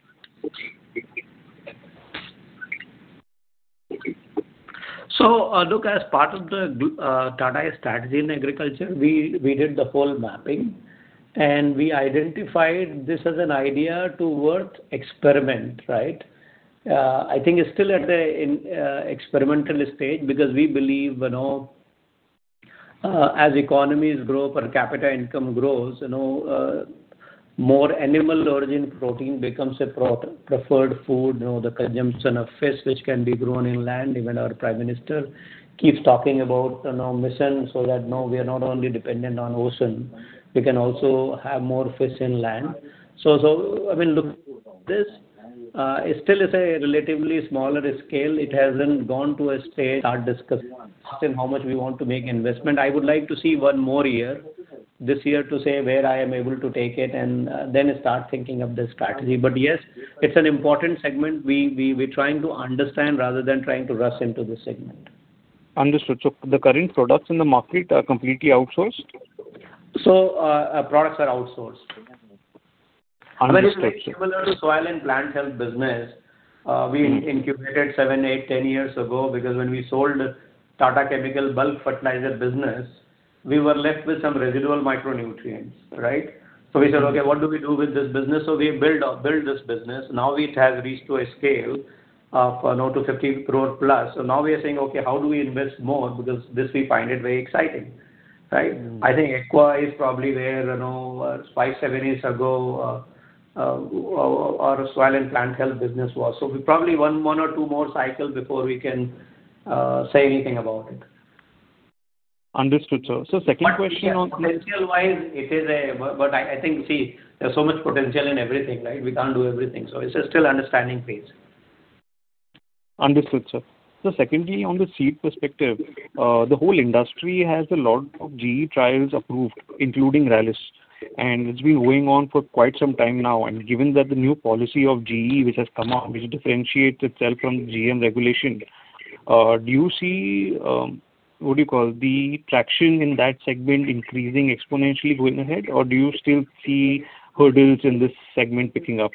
Speaker 2: Look, as part of Tata's strategy in agriculture, we did the whole mapping, and we identified this as an idea toward experiment, right? I think it's still at a experimental stage because we believe, you know, as economies grow, per capita income grows, you know, more animal origin protein becomes a preferred food. You know, the consumption of fish which can be grown inland. Even our prime minister keeps talking about, you know, mission so that, you know, we are not only dependent on ocean, we can also have more fish inland. I mean, look, this it still is a relatively smaller scale. It hasn't gone to a stage to start discussing how much we want to make investment. I would like to see one more year, this year to say where I am able to take it and then start thinking of the strategy. Yes, it's an important segment we're trying to understand rather than trying to rush into the segment.
Speaker 12: Understood. The current products in the market are completely outsourced?
Speaker 2: Products are outsourced.
Speaker 12: Understood, sir.
Speaker 2: Similar to soil and plant health business, we incubated seven, eight, 10 years ago because when we sold Tata Chemicals bulk fertilizer business, we were left with some residual micronutrients, right? We said, "Okay, what do we do with this business?" We build this business. Now it has reached to a scale of, you know, to 50 crore plus. Now we are saying, "Okay, how do we invest more?" Because this we find it very exciting, right? I think aqua is probably where, you know, 5, 7 years ago, our soil and plant health business was. Probably one or two more cycles before we can say anything about it.
Speaker 12: Understood, sir. Second question on-
Speaker 2: I think, see, there's so much potential in everything, right? We can't do everything. It's a still understanding phase.
Speaker 12: Understood, sir. Secondly, on the seed perspective, the whole industry has a lot of GE trials approved, including Rallis, and it's been going on for quite some time now. Given that the new policy of GE which has come out, which differentiates itself from GM regulation, do you see, what do you call, the traction in that segment increasing exponentially going ahead? Or do you still see hurdles in this segment picking up?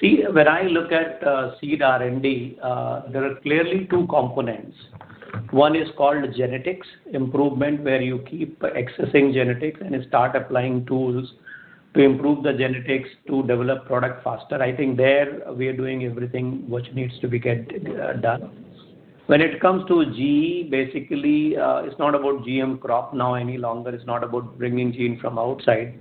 Speaker 2: See, when I look at seed R&D, there are clearly two components. One is called genetics improvement, where you keep accessing genetics and start applying tools to improve the genetics to develop product faster. I think there we are doing everything which needs to be done. When it comes to GE, basically, it's not about GM crop now any longer. It's not about bringing gene from outside.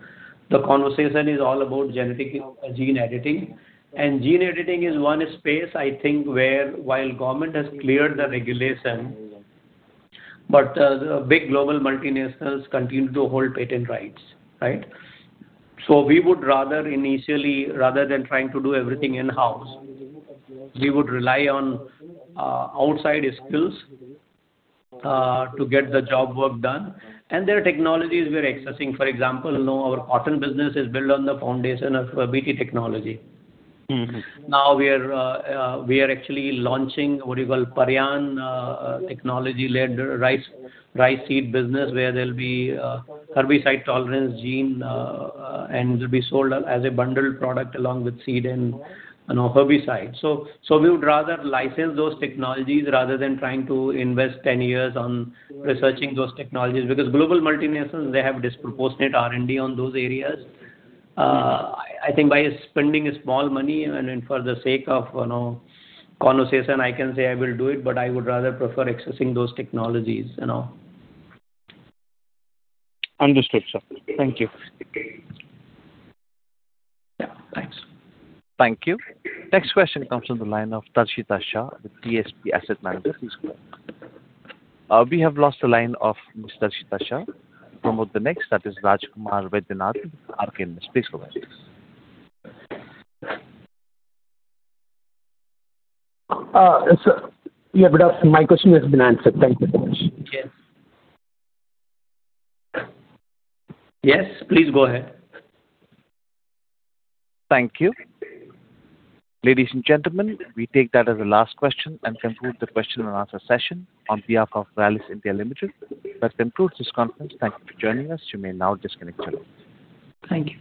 Speaker 2: The conversation is all about genetic gene editing. Gene editing is one space, I think, where while government has cleared the regulation, but the big global multinationals continue to hold patent rights, right? So we would rather initially, rather than trying to do everything in-house, we would rely on outside skills to get the job work done. Their technology is very advanced. For example, you know, our cotton business is built on the foundation of BT technology.
Speaker 12: Mm-hmm.
Speaker 2: We are actually launching what you call Paryan, technology-led rice seed business, where there'll be a herbicide tolerance gene, and it'll be sold as a bundled product along with seed and, you know, herbicide. We would rather license those technologies rather than trying to invest 10 years on researching those technologies. Because global multinationals, they have disproportionate R&D on those areas. I think by spending small money and then for the sake of, you know, conversation, I can say I will do it, but I would rather prefer accessing those technologies, you know.
Speaker 12: Understood, sir. Thank you.
Speaker 2: Yeah. Thanks.
Speaker 1: Thank you. Next question comes from the line of Darshita Shah with DSP Asset Management. We have lost the line of Ms. Darshita Shah. Promod, the next, that is Raj Kumar, Arc Investment. Please go ahead.
Speaker 13: Yeah, bud, my question has been answered. Thank you very much.
Speaker 2: Yes. Yes, please go ahead.
Speaker 1: Thank you. Ladies and gentlemen, we take that as the last question and conclude the question and answer session on behalf of Rallis India Limited. That concludes this conference. Thank you for joining us. You may now disconnect your lines.
Speaker 2: Thank you.